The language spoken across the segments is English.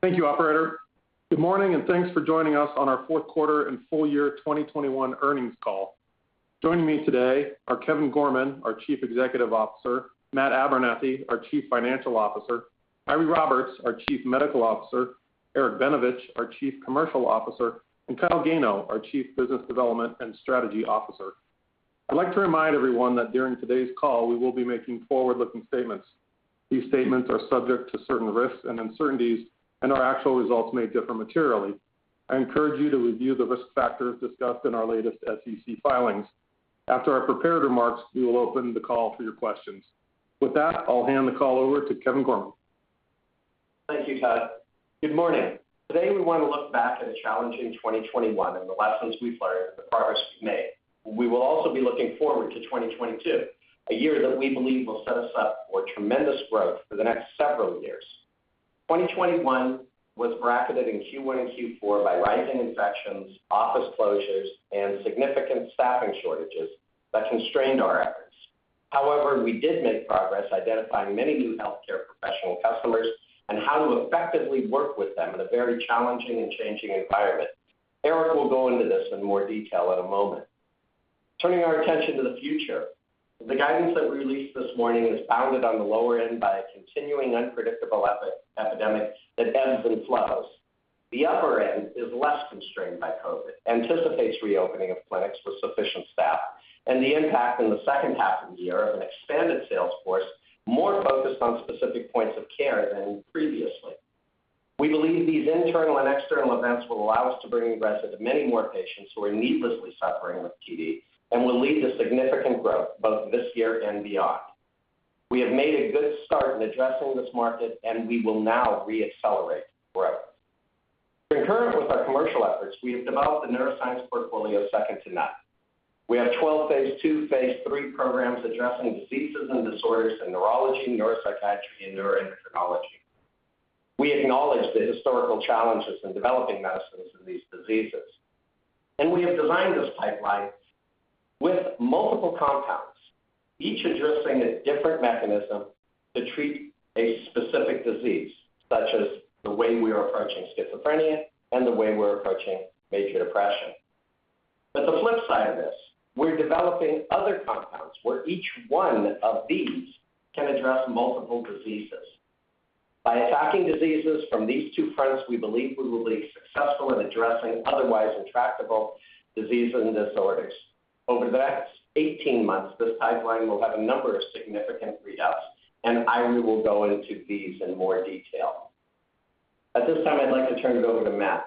Thank you operator. Good morning, and thanks for joining us on our fourth quarter and full year 2021 earnings call. Joining me today are Kevin Gorman, our Chief Executive Officer, Matt Abernethy, our Chief Financial Officer, Eiry Roberts, our Chief Medical Officer, Eric Benevich, our Chief Commercial Officer, and Kyle Gano, our Chief Business Development and Strategy Officer. I'd like to remind everyone that during today's call, we will be making forward-looking statements. These statements are subject to certain risks and uncertainties and our actual results may differ materially. I encourage you to review the risk factors discussed in our latest SEC filings. After our prepared remarks, we will open the call for your questions. With that, I'll hand the call over to Kevin Gorman. Thank you, Todd. Good morning. Today, we want to look back at a challenging 2021 and the lessons we've learned and the progress we've made. We will also be looking forward to 2022, a year that we believe will set us up for tremendous growth for the next several years. 2021 was bracketed in Q1 and Q4 by rising infections, office closures, and significant staffing shortages that constrained our efforts. However, we did make progress identifying many new healthcare professional customers and how to effectively work with them in a very challenging and changing environment. Eric will go into this in more detail in a moment. Turning our attention to the future, the guidance that we released this morning is founded on the lower end by a continuing unpredictable epidemic that ebbs and flows. The upper end is less constrained by COVID, anticipates reopening of clinics with sufficient staff, and the impact in the second half of the year of an expanded sales force, more focused on specific points of care than previously. We believe these internal and external events will allow us to bring the rest of the many more patients who are needlessly suffering with TD and will lead to significant growth both this year and beyond. We have made a good start in addressing this market, and we will now re-accelerate growth. Concurrent with our commercial efforts, we have developed a neuroscience portfolio second to none. We have 12 phase II, phase III programs addressing diseases and disorders in neurology, neuropsychiatry, and neuroendocrinology. We acknowledge the historical challenges in developing medicines for these diseases, and we have designed this pipeline with multiple compounds, each addressing a different mechanism to treat a specific disease, such as the way we are approaching schizophrenia and the way we're approaching major depression. The flip side of this, we're developing other compounds where each one of these can address multiple diseases. By attacking diseases from these two fronts, we believe we will be successful in addressing otherwise intractable diseases and disorders. Over the next 18 months, this pipeline will have a number of significant readouts, and Eiry will go into these in more detail. At this time, I'd like to turn it over to Matt Abernethy.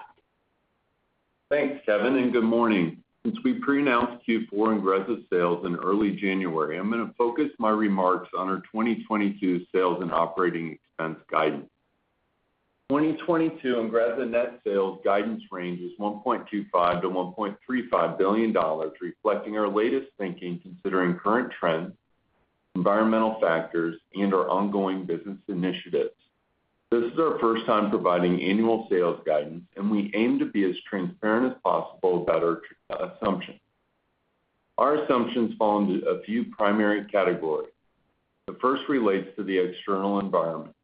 Thanks, Kevin, and good morning. Since we pre-announced Q4 INGREZZA sales in early January, I'm going to focus my remarks on our 2022 sales and operating expense guidance. 2022 INGREZZA net sales guidance range is $1.25 billion-$1.35 billion, reflecting our latest thinking considering current trends, environmental factors, and our ongoing business initiatives. This is our first time providing annual sales guidance, and we aim to be as transparent as possible about our assumptions. Our assumptions fall into a few primary categories. The first relates to the external environment.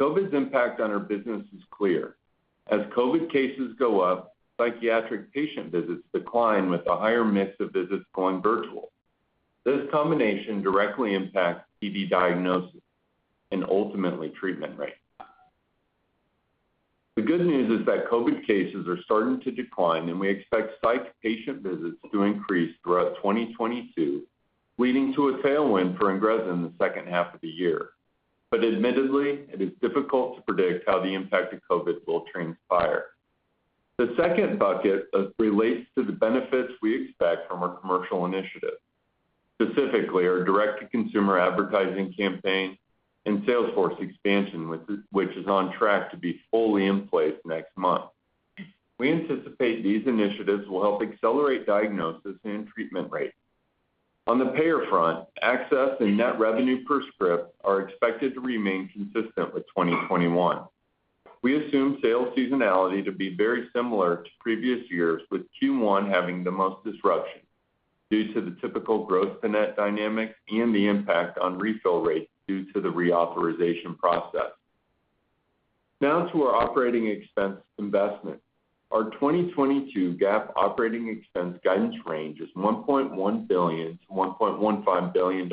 COVID's impact on our business is clear. As COVID cases go up, psychiatric patient visits decline with a higher mix of visits going virtual. This combination directly impacts TD diagnosis and ultimately treatment rates. The good news is that COVID cases are starting to decline, and we expect psych patient visits to increase throughout 2022, leading to a tailwind for INGREZZA in the second half of the year. Admittedly, it is difficult to predict how the impact of COVID will transpire. The second bucket relates to the benefits we expect from our commercial initiative, specifically our direct-to-consumer advertising campaign and sales force expansion, which is on track to be fully in place next month. We anticipate these initiatives will help accelerate diagnosis and treatment rates. On the payer front, access and net revenue per script are expected to remain consistent with 2021. We assume sales seasonality to be very similar to previous years, with Q1 having the most disruption due to the typical growth to net dynamics and the impact on refill rates due to the reauthorization process. Now to our operating expense investment. Our 2022 GAAP operating expense guidance range is $1.1 billion-$1.15 billion,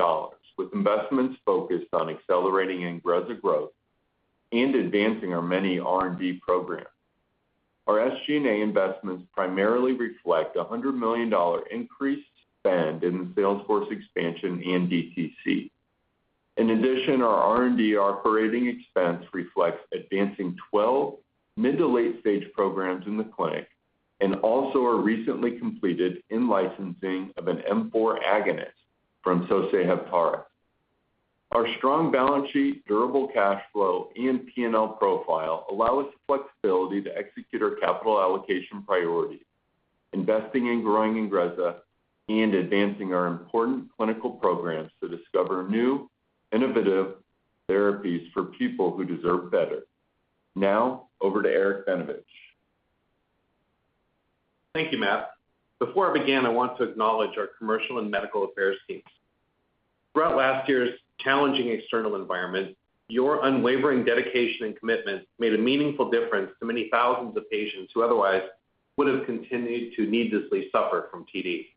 with investments focused on accelerating INGREZZA growth and advancing our many R&D programs. Our SG&A investments primarily reflect a $100 million increased spend in the sales force expansion and DTC. In addition, our R&D operating expense reflects advancing 12 mid- to late-stage programs in the clinic and also our recently completed in-licensing of an M4 agonist from Sosei Heptares. Our strong balance sheet, durable cash flow, and P&L profile allow us the flexibility to execute our capital allocation priority, investing in growing INGREZZA and advancing our important clinical programs to discover new, innovative therapies for people who deserve better. Now, over to Eric Benevich. Thank you, Matt. Before I begin, I want to acknowledge our commercial and medical affairs teams. Throughout last year's challenging external environment, your unwavering dedication and commitment made a meaningful difference to many thousands of patients who otherwise would have continued to needlessly suffer from TD.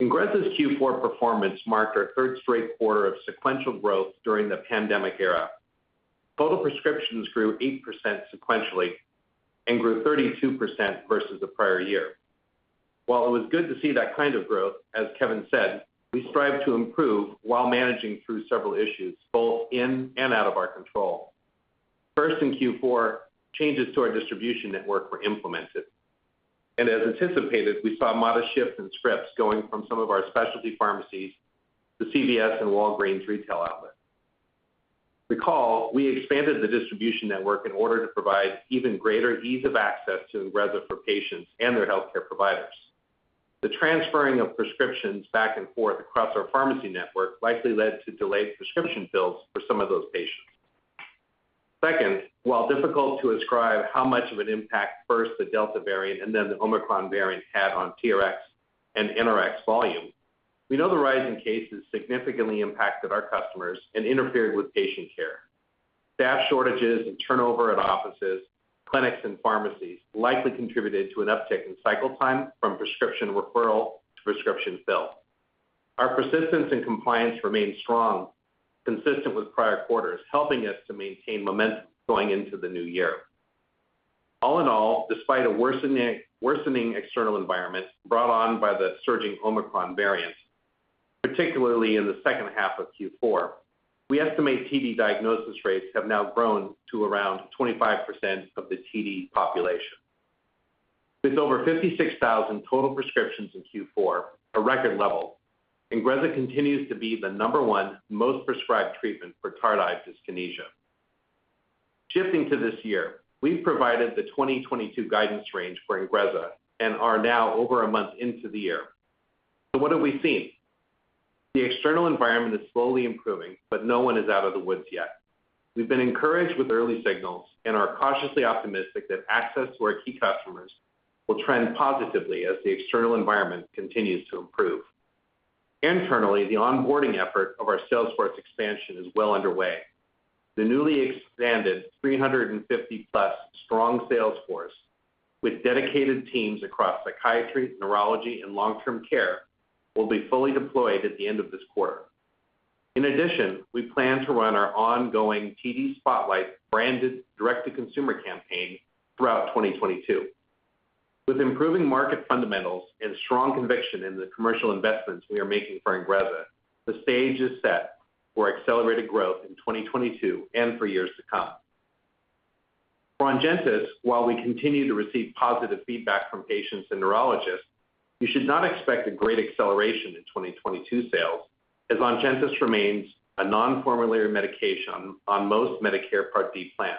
INGREZZA's Q4 performance marked our third straight quarter of sequential growth during the pandemic era. Total prescriptions grew 8% sequentially and grew 32% versus the prior year. While it was good to see that kind of growth, as Kevin said, we strive to improve while managing through several issues, both in and out of our control. First, in Q4, changes to our distribution network were implemented. As anticipated, we saw modest shifts in scripts going from some of our specialty pharmacies to CVS and Walgreens retail outlets. Recall, we expanded the distribution network in order to provide even greater ease of access to INGREZZA for patients and their healthcare providers. The transferring of prescriptions back and forth across our pharmacy network likely led to delayed prescription fills for some of those patients. Second, while difficult to ascribe how much of an impact first the Delta variant and then the Omicron variant had on TRX and NRX volume, we know the rise in cases significantly impacted our customers and interfered with patient care. Staff shortages and turnover at offices, clinics, and pharmacies likely contributed to an uptick in cycle time from prescription referral to prescription fill. Our persistence and compliance remained strong, consistent with prior quarters, helping us to maintain momentum going into the new year. All in all, despite a worsening external environment brought on by the surging Omicron variant, particularly in the second half of Q4, we estimate TD diagnosis rates have now grown to around 25% of the TD population. With over 56,000 total prescriptions in Q4, a record level, INGREZZA continues to be the number one most prescribed treatment for tardive dyskinesia. Shifting to this year, we've provided the 2022 guidance range for INGREZZA and are now over a month into the year. What have we seen? The external environment is slowly improving, but no one is out of the woods yet. We've been encouraged with early signals and are cautiously optimistic that access to our key customers will trend positively as the external environment continues to improve. Internally, the onboarding effort of our sales force expansion is well underway. The newly expanded 350+ strong sales force with dedicated teams across psychiatry, neurology, and long-term care will be fully deployed at the end of this quarter. In addition, we plan to run our ongoing TD Spotlight branded direct-to-consumer campaign throughout 2022. With improving market fundamentals and strong conviction in the commercial investments we are making for INGREZZA, the stage is set for accelerated growth in 2022 and for years to come. On ONGENTYS, while we continue to receive positive feedback from patients and neurologists, you should not expect a great acceleration in 2022 sales as ONGENTYS remains a non-formulary medication on most Medicare Part D plans.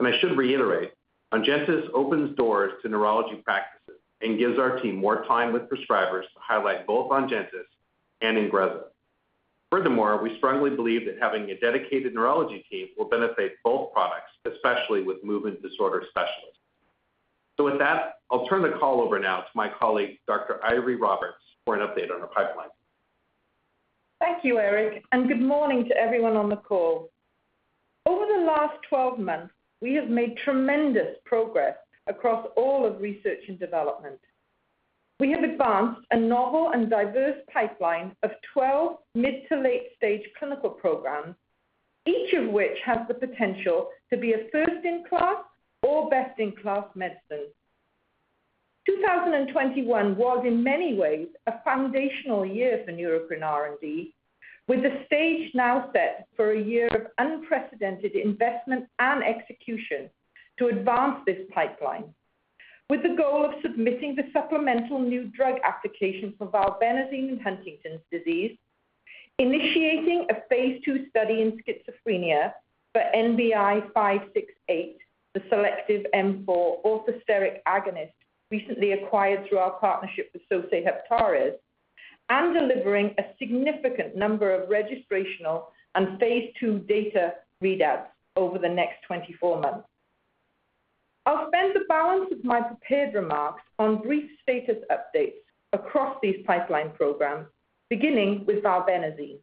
I should reiterate, ONGENTYS opens doors to neurology practices and gives our team more time with prescribers to highlight both ONGENTYS and INGREZZA. Furthermore, we strongly believe that having a dedicated neurology team will benefit both products, especially with movement disorder specialists. With that, I'll turn the call over now to my colleague, Dr. Eiry Roberts, for an update on our pipeline. Thank you, Eric, and good morning to everyone on the call. Over the last 12 months, we have made tremendous progress across all of research and development. We have advanced a novel and diverse pipeline of 12 mid- to late-stage clinical programs, each of which has the potential to be a first-in-class or best-in-class medicine. 2021 was in many ways a foundational year for Neurocrine R&D, with the stage now set for a year of unprecedented investment and execution to advance this pipeline. With the goal of submitting the Supplemental New Drug Application for valbenazine in Huntington's disease, initiating a phase II study in schizophrenia for NBI-1117568, the selective M4 orthosteric agonist recently acquired through our partnership with Takeda, and delivering a significant number of registrational and phase II data readouts over the next 24 months. I'll spend the balance of my prepared remarks on brief status updates across these pipeline programs, beginning with valbenazine.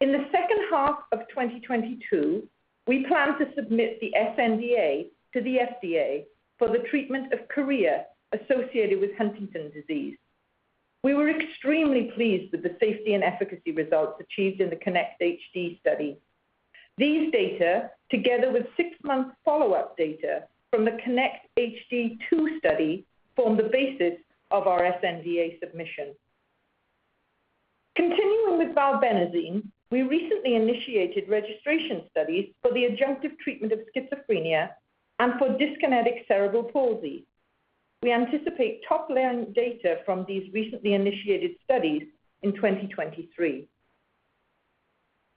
In the second half of 2022, we plan to submit the sNDA to the FDA for the treatment of chorea associated with Huntington's disease. We were extremely pleased with the safety and efficacy results achieved in the KINECT-HD study. These data, together with six-month follow-up data from the KINECT-HD2 study, form the basis of our sNDA submission. Continuing with valbenazine, we recently initiated registration studies for the adjunctive treatment of schizophrenia and for dyskinetic cerebral palsy. We anticipate top-line data from these recently initiated studies in 2023.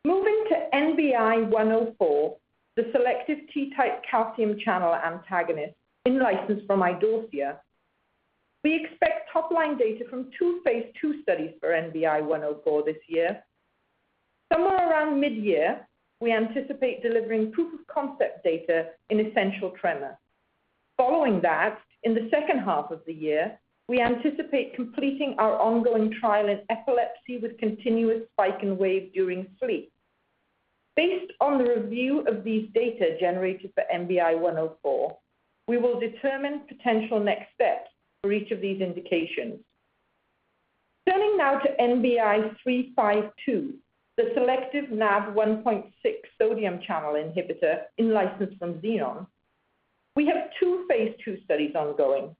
Moving to NBI-104, the selective T-type calcium channel antagonist in license from Idorsia. We expect top-line data from two phase II studies for NBI-827104 this year. Somewhere around mid-year, we anticipate delivering proof of concept data in essential tremor. Following that, in the second half of the year, we anticipate completing our ongoing trial in epilepsy with continuous spike in wave during sleep. Based on the review of these data generated for NBI-827104, we will determine potential next steps for each of these indications. Turning now to NBI-921352, the selective NaV1.6 sodium channel inhibitor in license from Xenon. We have two phase II studies ongoing.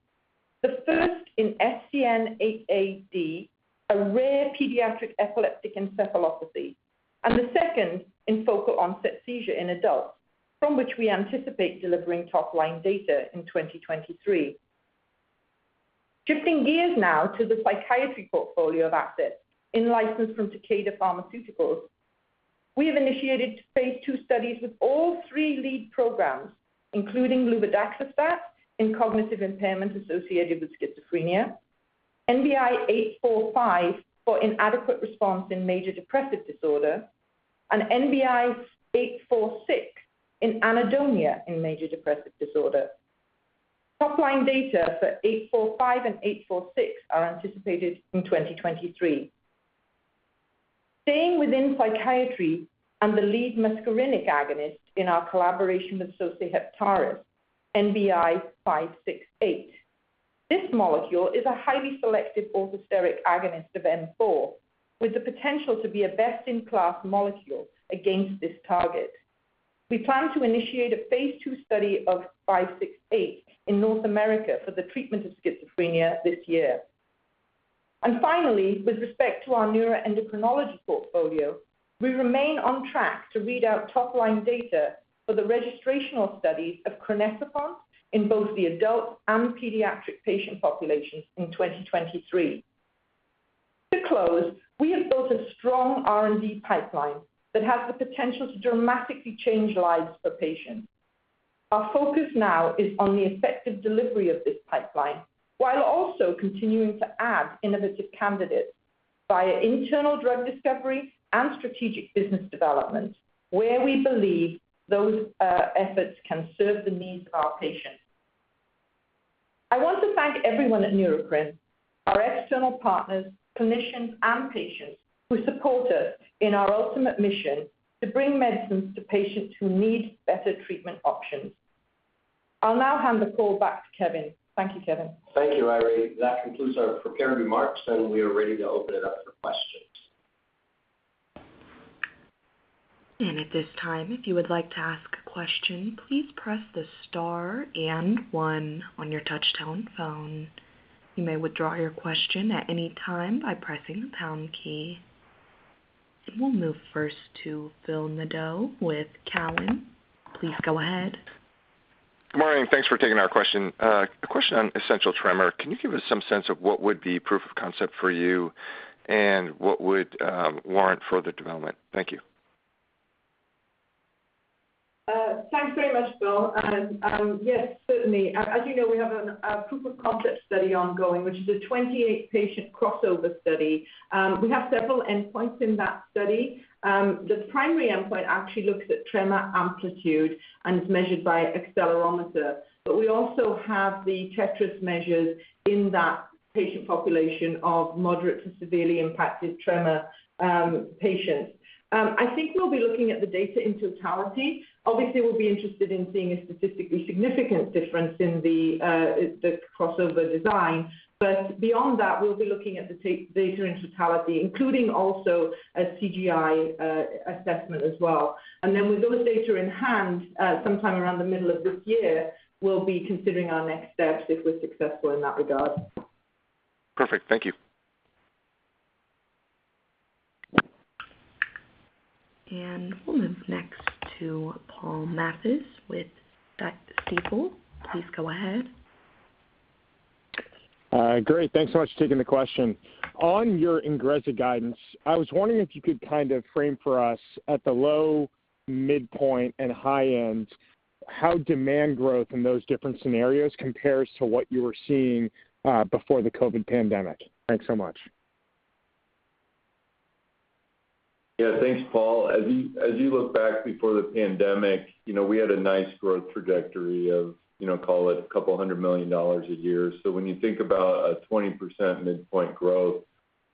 The first in SCN8A, a rare pediatric epileptic encephalopathy, and the second in focal onset seizure in adults, from which we anticipate delivering top line data in 2023. Shifting gears now to the psychiatry portfolio of assets in license from Takeda Pharmaceuticals. We have initiated phase II studies with all three lead programs, including luvadaxistat in cognitive impairment associated with schizophrenia, NBI-1065845 for inadequate response in major depressive disorder, and NBI-1065846 in anhedonia in major depressive disorder. Top-line data for NBI-1065845 and NBI-1065846 are anticipated in 2023. Staying within psychiatry and the lead muscarinic agonist in our collaboration with Sosei Heptares, NBI-1117568. This molecule is a highly selective allosteric agonist of M4 with the potential to be a best in class molecule against this target. We plan to initiate a phase II study of NBI-1117568 in North America for the treatment of schizophrenia this year. Finally, with respect to our neuroendocrinology portfolio, we remain on track to read out top-line data for the registrational studies of crinecerfont in both the adult and pediatric patient populations in 2023. To close, we have built a strong R&D pipeline that has the potential to dramatically change lives for patients. Our focus now is on the effective delivery of this pipeline while also continuing to add innovative candidates via internal drug discovery and strategic business development, where we believe those efforts can serve the needs of our patients. I want to thank everyone at Neurocrine, our external partners, clinicians and patients who support us in our ultimate mission to bring medicines to patients who need better treatment options. I'll now hand the call back to Kevin. Thank you, Kevin. Thank you, Eiry. That concludes our prepared remarks, and we are ready to open it up for questions. At this time if you wish to ask a question please press the star and one on your touchtone phone. You may withdraw your question at any time by pressing pound key. We'll move first to Phil Nadeau with Cowen. Please go ahead. Good morning. Thanks for taking our question. A question on essential tremor. Can you give us some sense of what would be proof of concept for you and what would warrant further development? Thank you. Thanks very much, Phil. Yes, certainly. As you know, we have a proof of concept study ongoing, which is a 28 patient crossover study. We have several endpoints in that study. The primary endpoint actually looks at tremor amplitude and is measured by accelerometer. We also have the TETRAS measures in that patient population of moderate to severely impacted tremor patients. I think we'll be looking at the data in totality. Obviously, we'll be interested in seeing a statistically significant difference in the crossover design. Beyond that, we'll be looking at the data in totality, including a CGI assessment as well. With those data in hand, sometime around the middle of this year, we'll be considering our next steps if we're successful in that regard. Perfect. Thank you. We'll move next to Paul Matteis with Stifel. Please go ahead. Great. Thanks so much for taking the question. On your INGREZZA guidance, I was wondering if you could kind of frame for us at the low midpoint and high end how demand growth in those different scenarios compares to what you were seeing before the COVID pandemic. Thanks so much. Yeah. Thanks, Paul. As you look back before the pandemic, you know, we had a nice growth trajectory of, you know, call it $200 million a year. When you think about a 20% midpoint growth,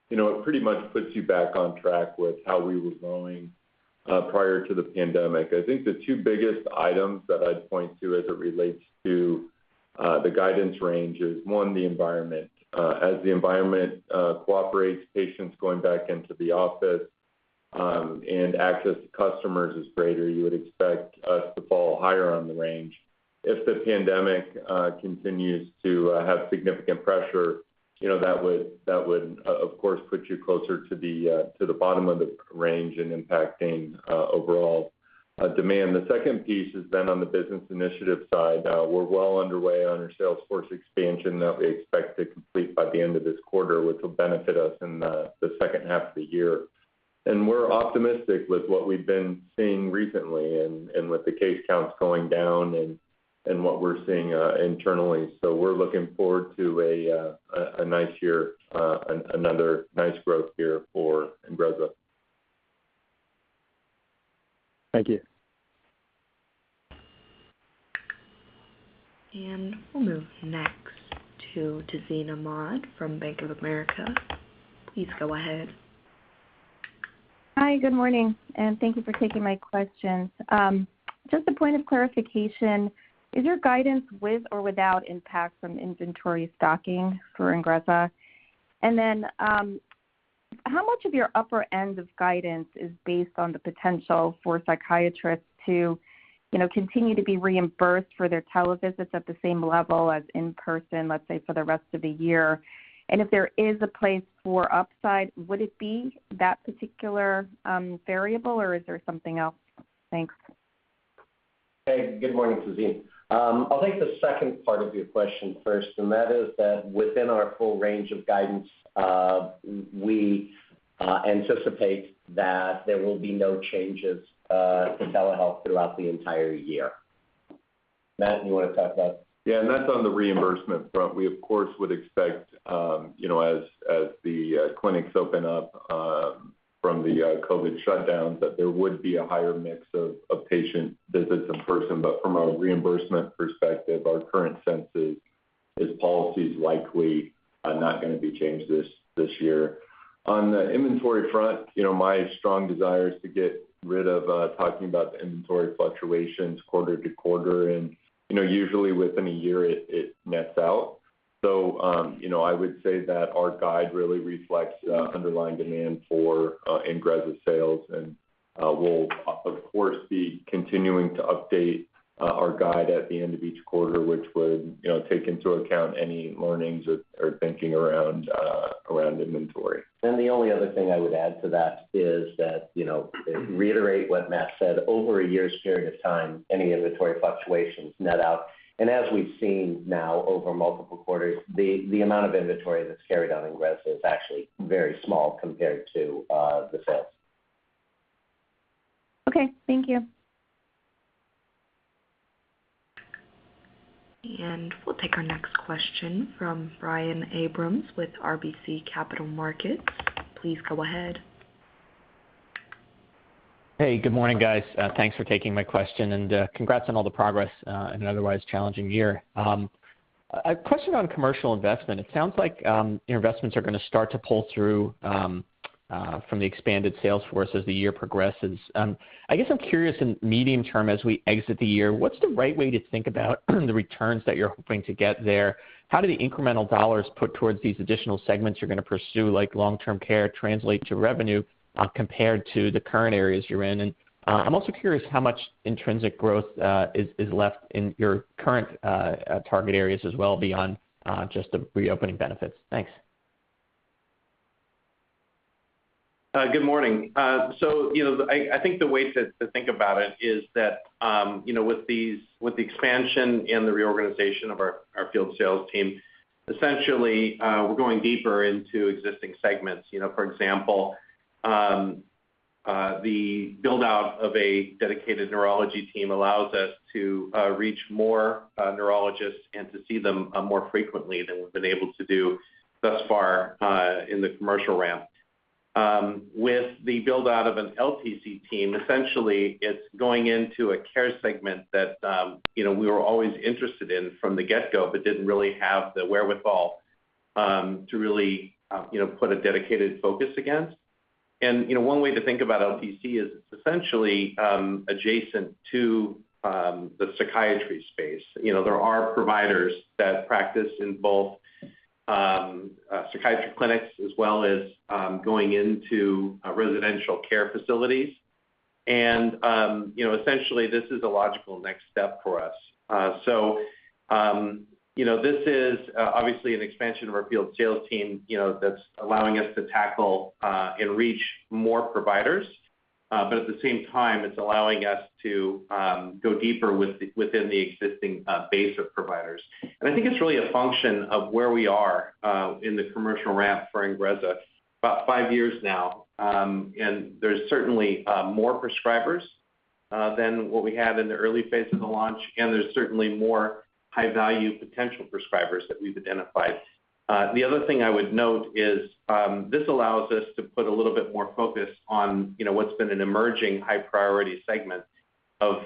you know, it pretty much puts you back on track with how we were growing prior to the pandemic. I think the two biggest items that I'd point to as it relates to the guidance range is, one, the environment. As the environment cooperates, patients going back into the office and access to customers is greater, you would expect us to fall higher on the range. If the pandemic continues to have significant pressure, you know, that would of course put you closer to the bottom of the range and impacting overall demand. The second piece is then on the business initiative side. We're well underway on our sales force expansion that we expect to complete by the end of this quarter, which will benefit us in the second half of the year. We're optimistic with what we've been seeing recently and with the case counts going down and What we're seeing internally. We're looking forward to a nice year, another nice growth year for INGREZZA. Thank you. We'll move next to Tazeen Ahmad from Bank of America. Please go ahead. Hi, good morning, and thank you for taking my questions. Just a point of clarification. Is your guidance with or without impact from inventory stocking for INGREZZA? How much of your upper end of guidance is based on the potential for psychiatrists to, you know, continue to be reimbursed for their televisits at the same level as in-person, let's say, for the rest of the year? If there is a place for upside, would it be that particular variable, or is there something else? Thanks. Hey, good morning, Tazeen. I'll take the second part of your question first, and that is that within our full range of guidance, we anticipate that there will be no changes to telehealth throughout the entire year. Matt, you wanna talk about? Yeah. That's on the reimbursement front. We, of course, would expect, you know, as the clinics open up from the COVID shutdowns, that there would be a higher mix of patient visits in person. From a reimbursement perspective, our current sense is policy is likely not gonna be changed this year. On the inventory front, you know, my strong desire is to get rid of talking about the inventory fluctuations quarter to quarter. You know, usually within a year, it nets out. You know, I would say that our guide really reflects underlying demand for INGREZZA sales. We'll of course be continuing to update our guide at the end of each quarter, which would, you know, take into account any learnings or thinking around inventory. The only other thing I would add to that is that, you know, reiterate what Matt said, over a year's period of time, any inventory fluctuations net out. As we've seen now over multiple quarters, the amount of inventory that's carried on INGREZZA is actually very small compared to the sales. Okay. Thank you. We'll take our next question from Brian Abrahams with RBC Capital Markets. Please go ahead. Hey, good morning, guys. Thanks for taking my question. Congrats on all the progress in an otherwise challenging year. A question on commercial investment. It sounds like your investments are gonna start to pull through from the expanded sales force as the year progresses. I guess I'm curious in medium term, as we exit the year, what's the right way to think about the returns that you're hoping to get there? How do the incremental dollars put towards these additional segments you're gonna pursue, like long-term care, translate to revenue compared to the current areas you're in? I'm also curious how much intrinsic growth is left in your current target areas as well beyond just the reopening benefits. Thanks. Good morning. So, you know, I think the way to think about it is that, you know, with the expansion and the reorganization of our field sales team, essentially, we're going deeper into existing segments. You know, for example, the build-out of a dedicated neurology team allows us to reach more neurologists and to see them more frequently than we've been able to do thus far, in the commercial realm. With the build-out of an LTC team, essentially, it's going into a care segment that, you know, we were always interested in from the get-go, but didn't really have the wherewithal to really, you know, put a dedicated focus against. You know, one way to think about LTC is it's essentially adjacent to the psychiatry space. You know, there are providers that practice in both psychiatry clinics as well as going into residential care facilities. You know, essentially this is a logical next step for us. You know, this is obviously an expansion of our field sales team, you know, that's allowing us to tackle and reach more providers. At the same time, it's allowing us to go deeper within the existing base of providers. I think it's really a function of where we are in the commercial ramp for INGREZZA, about five years now. There's certainly more prescribers than what we had in the early phase of the launch, and there's certainly more high-value potential prescribers that we've identified. The other thing I would note is, this allows us to put a little bit more focus on, you know, what's been an emerging high priority segment of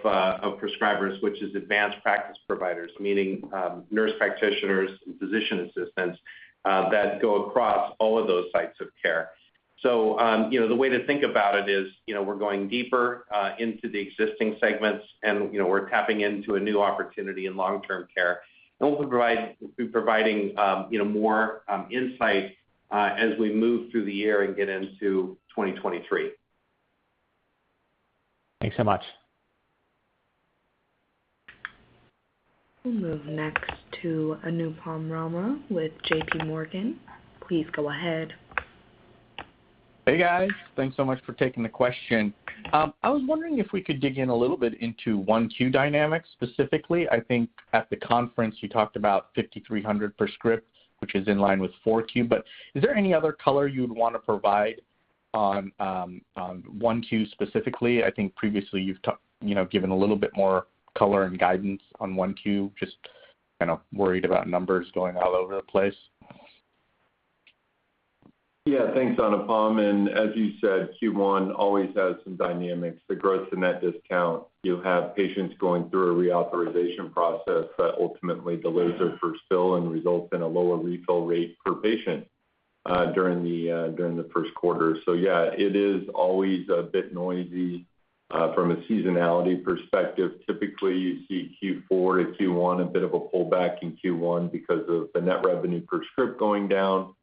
prescribers, which is advanced practice providers, meaning nurse practitioners and physician assistants that go across all of those sites of care. You know, the way to think about it is, you know, we're going deeper into the existing segments and, you know, we're tapping into a new opportunity in long-term care. We'll be providing, you know, more insight as we move through the year and get into 2023. Thanks so much. We'll move next to Anupam Rama with J.P. Morgan. Please go ahead. Hey, guys. Thanks so much for taking the question. I was wondering if we could dig in a little bit into 1Q dynamics specifically. I think at the conference you talked about 5,300 per script, which is in line with 4Q. Is there any other color you'd wanna provide? On 1Q specifically, I think previously you've, you know, given a little bit more color and guidance on 1Q, just kind of worried about numbers going all over the place. Yeah. Thanks, Anupam. As you said, Q1 always has some dynamics. The growth in that discount, you have patients going through a reauthorization process that ultimately delays their first fill and results in a lower refill rate per patient during the first quarter. Yeah, it is always a bit noisy from a seasonality perspective. Typically, you see Q4 to Q1 a bit of a pullback in Q1 because of the net revenue per script going down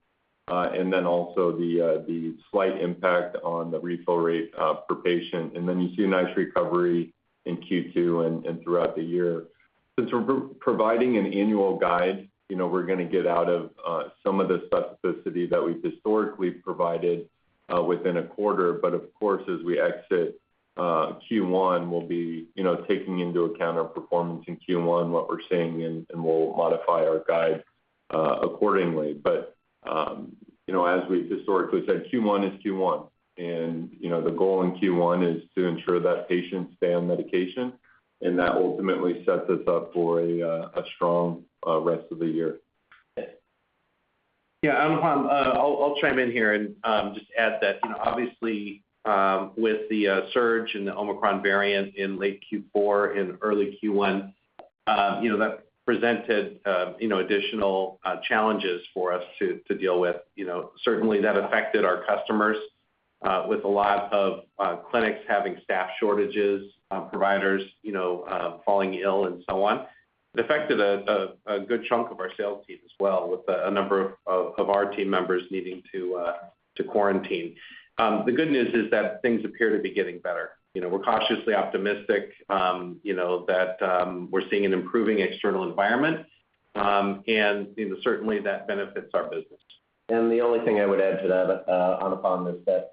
and then also the slight impact on the refill rate per patient. Then you see a nice recovery in Q2 and throughout the year. Since we're providing an annual guide, you know, we're gonna get out of some of the specificity that we've historically provided within a quarter. Of course, as we exit Q1, we'll be, you know, taking into account our performance in Q1, what we're seeing and we'll modify our guide accordingly. You know, as we've historically said, Q1 is Q1. You know, the goal in Q1 is to ensure that patients stay on medication, and that ultimately sets us up for a strong rest of the year. Okay. Yeah, Anupam, I'll chime in here and just add that, you know, obviously, with the surge in the Omicron variant in late Q4 and early Q1, you know, that presented additional challenges for us to deal with. You know, certainly that affected our customers with a lot of clinics having staff shortages, providers, you know, falling ill and so on. It affected a good chunk of our sales team as well with a number of our team members needing to quarantine. The good news is that things appear to be getting better. You know, we're cautiously optimistic, you know, that we're seeing an improving external environment. And, you know, certainly that benefits our business. The only thing I would add to that, Anupam, is that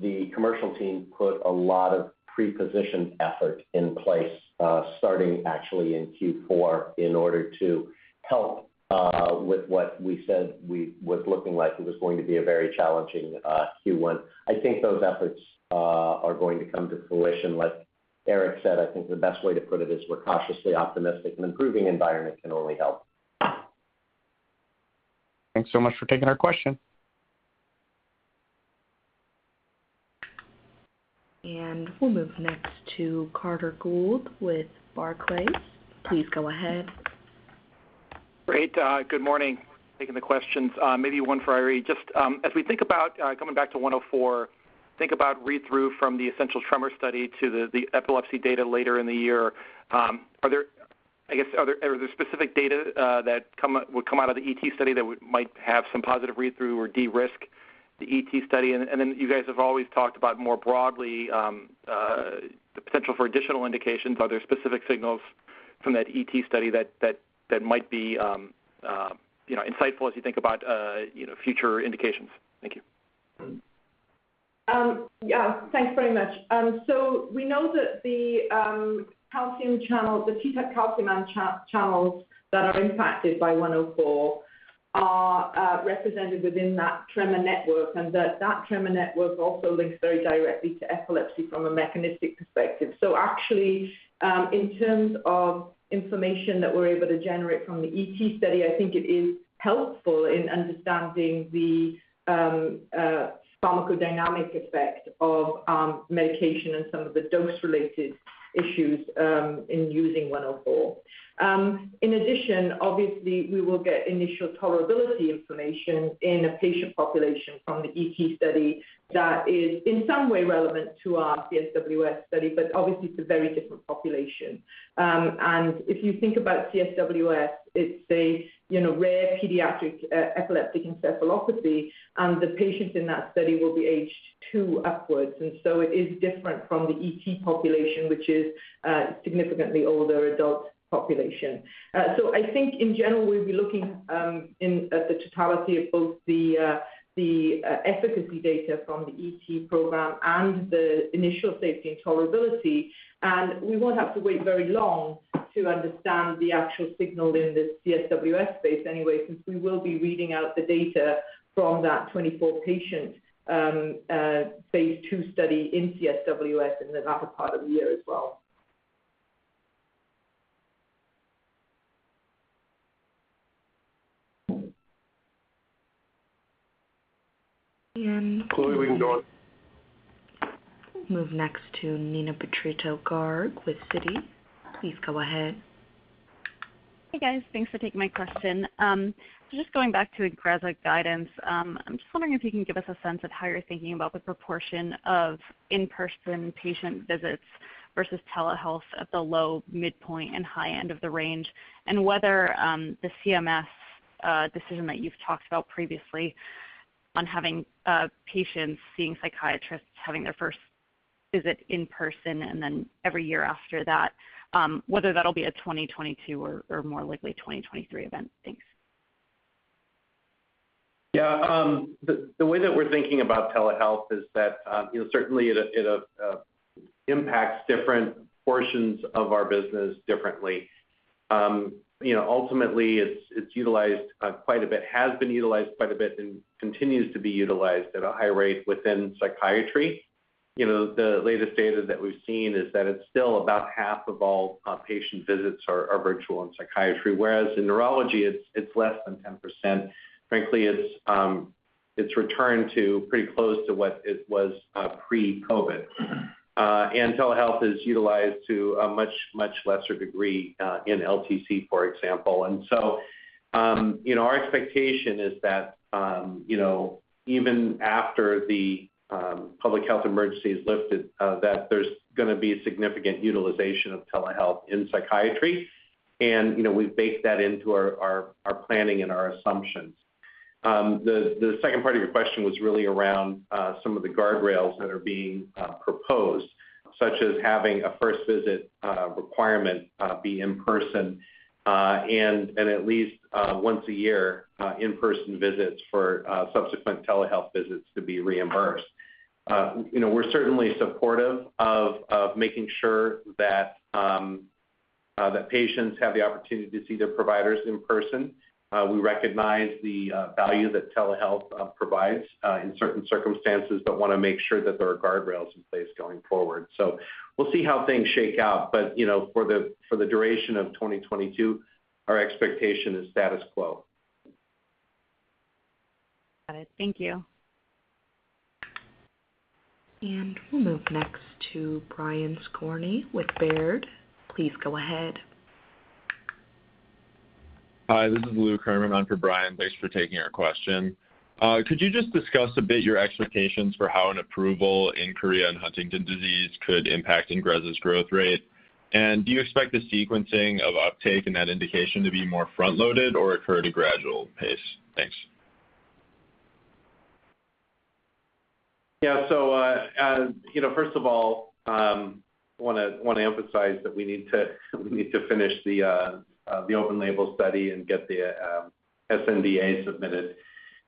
the commercial team put a lot of pre-positioned effort in place, starting actually in Q4 in order to help with what we said was looking like it was going to be a very challenging Q1. I think those efforts are going to come to fruition. Like Eric said, I think the best way to put it is we're cautiously optimistic. An improving environment can only help. Thanks so much for taking our question. We'll move next to Carter Gould with Barclays. Please go ahead. Great. Good morning. Taking the questions. Maybe one for Eiry. Just as we think about coming back to 104, think about read-through from the essential tremor study to the epilepsy data later in the year, are there specific data that would come out of the ET study that might have some positive read-through or de-risk the ET study? And then you guys have always talked about more broadly the potential for additional indications. Are there specific signals from that ET study that might be insightful as you think about future indications? Thank you. Yeah. Thanks very much. We know that the calcium channels, the T-type calcium channels that are impacted by 104 patients are represented within that tremor network and that tremor network also links very directly to epilepsy from a mechanistic perspective. Actually, in terms of information that we're able to generate from the ET study, I think it is helpful in understanding the pharmacodynamic effect of medication and some of the dose-related issues in using 104 patients. In addition, obviously, we will get initial tolerability information in a patient population from the ET study that is in some way relevant to our CSWS study, but obviously it's a very different population. If you think about CSWS, it's a, you know, rare pediatric epileptic encephalopathy, and the patients in that study will be aged two upwards. It is different from the ET population, which is a significantly older adult population. I think in general, we'll be looking in at the totality of both the efficacy data from the ET program and the initial safety and tolerability. We won't have to wait very long to understand the actual signal in the CSWS space anyway, since we will be reading out the data from that 24-patient phase II study in CSWS in the latter part of the year as well. And... Clearly, we don't. Move next to Neena Bitritto-Garg with Citi. Please go ahead. Hey, guys. Thanks for taking my question. Just going back to INGREZZA's guidance. I'm just wondering if you can give us a sense of how you're thinking about the proportion of in-person patient visits versus telehealth at the low midpoint and high end of the range, and whether the CMS decision that you've talked about previously on having patients seeing psychiatrists having their first visit in person and then every year after that, whether that'll be a 2022 or more likely 2023 event. Thanks. Yeah. The way that we're thinking about telehealth is that, you know, certainly it impacts different portions of our business differently. You know, ultimately it's utilized quite a bit and continues to be utilized at a high rate within psychiatry. You know, the latest data that we've seen is that it's still about half of all patient visits are virtual in psychiatry, whereas in neurology it's less than 10%. Frankly, it's returned to pretty close to what it was pre-COVID. Telehealth is utilized to a much lesser degree in LTC, for example. You know, our expectation is that, you know, even after the public health emergency is lifted, that there's gonna be significant utilization of telehealth in psychiatry. You know, we've baked that into our planning and our assumptions. The second part of your question was really around some of the guardrails that are being proposed, such as having a first visit requirement be in person and at least once a year in-person visits for subsequent telehealth visits to be reimbursed. You know, we're certainly supportive of making sure that patients have the opportunity to see their providers in person. We recognize the value that telehealth provides in certain circumstances, but wanna make sure that there are guardrails in place going forward. We'll see how things shake out. You know, for the duration of 2022, our expectation is status quo. Got it. Thank you. We'll move next to Brian Skorney with Baird. Please go ahead. Hi, this is Lou [Kerner] for Brian. Thanks for taking our question. Could you just discuss a bit your expectations for how an approval in chorea and Huntington's disease could impact INGREZZA's growth rate? Do you expect the sequencing of uptake in that indication to be more front-loaded or occur at a gradual pace? Thanks. You know, first of all, wanna emphasize that we need to finish the open label study and get the sNDA submitted.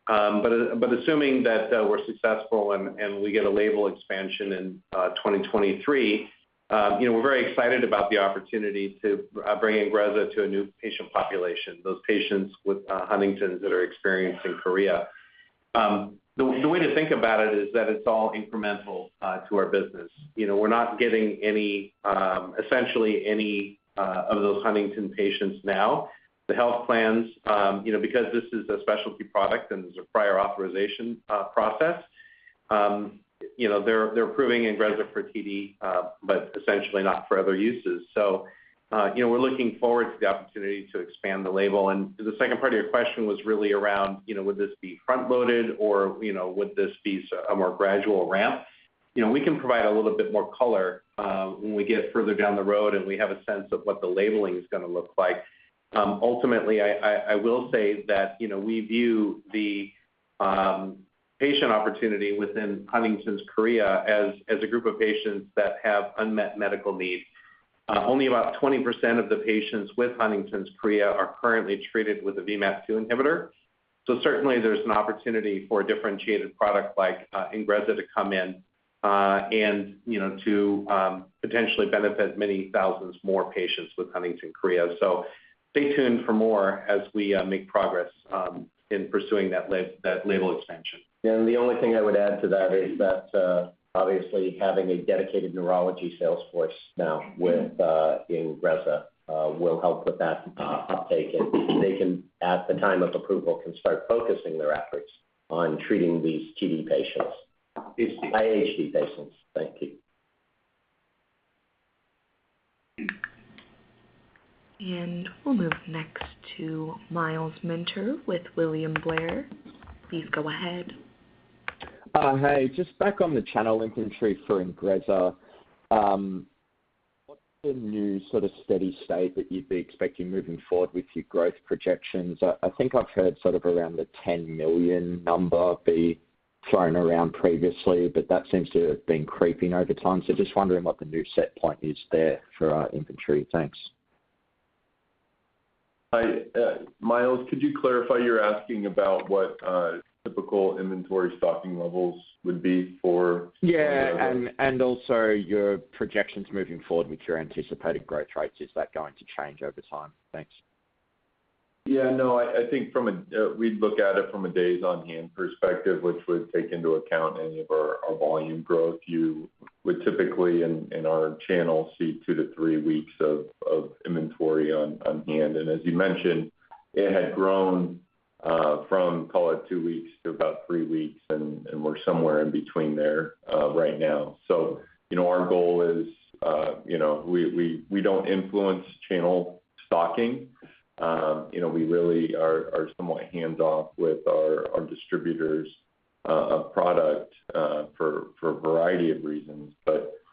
Assuming that we're successful and we get a label expansion in 2023, you know, we're very excited about the opportunity to bring INGREZZA to a new patient population, those patients with Huntington's that are experiencing chorea. The way to think about it is that it's all incremental to our business. You know, we're not getting any, essentially any, of those Huntington patients now. The health plans, you know, because this is a specialty product and there's a prior authorization process, you know, they're approving INGREZZA for TD, but essentially not for other uses. You know, we're looking forward to the opportunity to expand the label. The second part of your question was really around, you know, would this be front-loaded or, you know, would this be a more gradual ramp? You know, we can provide a little bit more color, when we get further down the road and we have a sense of what the labeling is gonna look like. Ultimately, I will say that, you know, we view the patient opportunity within Huntington's chorea as a group of patients that have unmet medical needs. Only about 20% of the patients with Huntington's chorea are currently treated with a VMAT2 inhibitor. Certainly there's an opportunity for a differentiated product like INGREZZA to come in, and, you know, to potentially benefit many thousands more patients with Huntington's chorea. Stay tuned for more as we make progress in pursuing that label expansion. The only thing I would add to that is that, obviously having a dedicated neurology sales force now with INGREZZA, will help with that uptake. They can at the time of approval start focusing their efforts on treating these TD patients. HD. HD patients. Thank you. We'll move next to Myles Minter with William Blair. Please go ahead. Hey, just back on the channel inventory for INGREZZA. What's the new sort of steady state that you'd be expecting moving forward with your growth projections? I think I've heard sort of around the $10 million number be thrown around previously, but that seems to have been creeping over time. Just wondering what the new set point is there for inventory. Thanks. Hi. Myles, could you clarify, you're asking about what typical inventory stocking levels would be for- Yeah. Your projections moving forward with your anticipated growth rates, is that going to change over time? Thanks. Yeah, no. I think from a days on hand perspective, which would take into account any of our volume growth. You would typically in our channel see two to three weeks of inventory on hand. As you mentioned, it had grown from call it two weeks to about three weeks and we're somewhere in between there right now. You know, our goal is, you know, we don't influence channel stocking. You know, we really are somewhat hands-off with our distributors of product for a variety of reasons.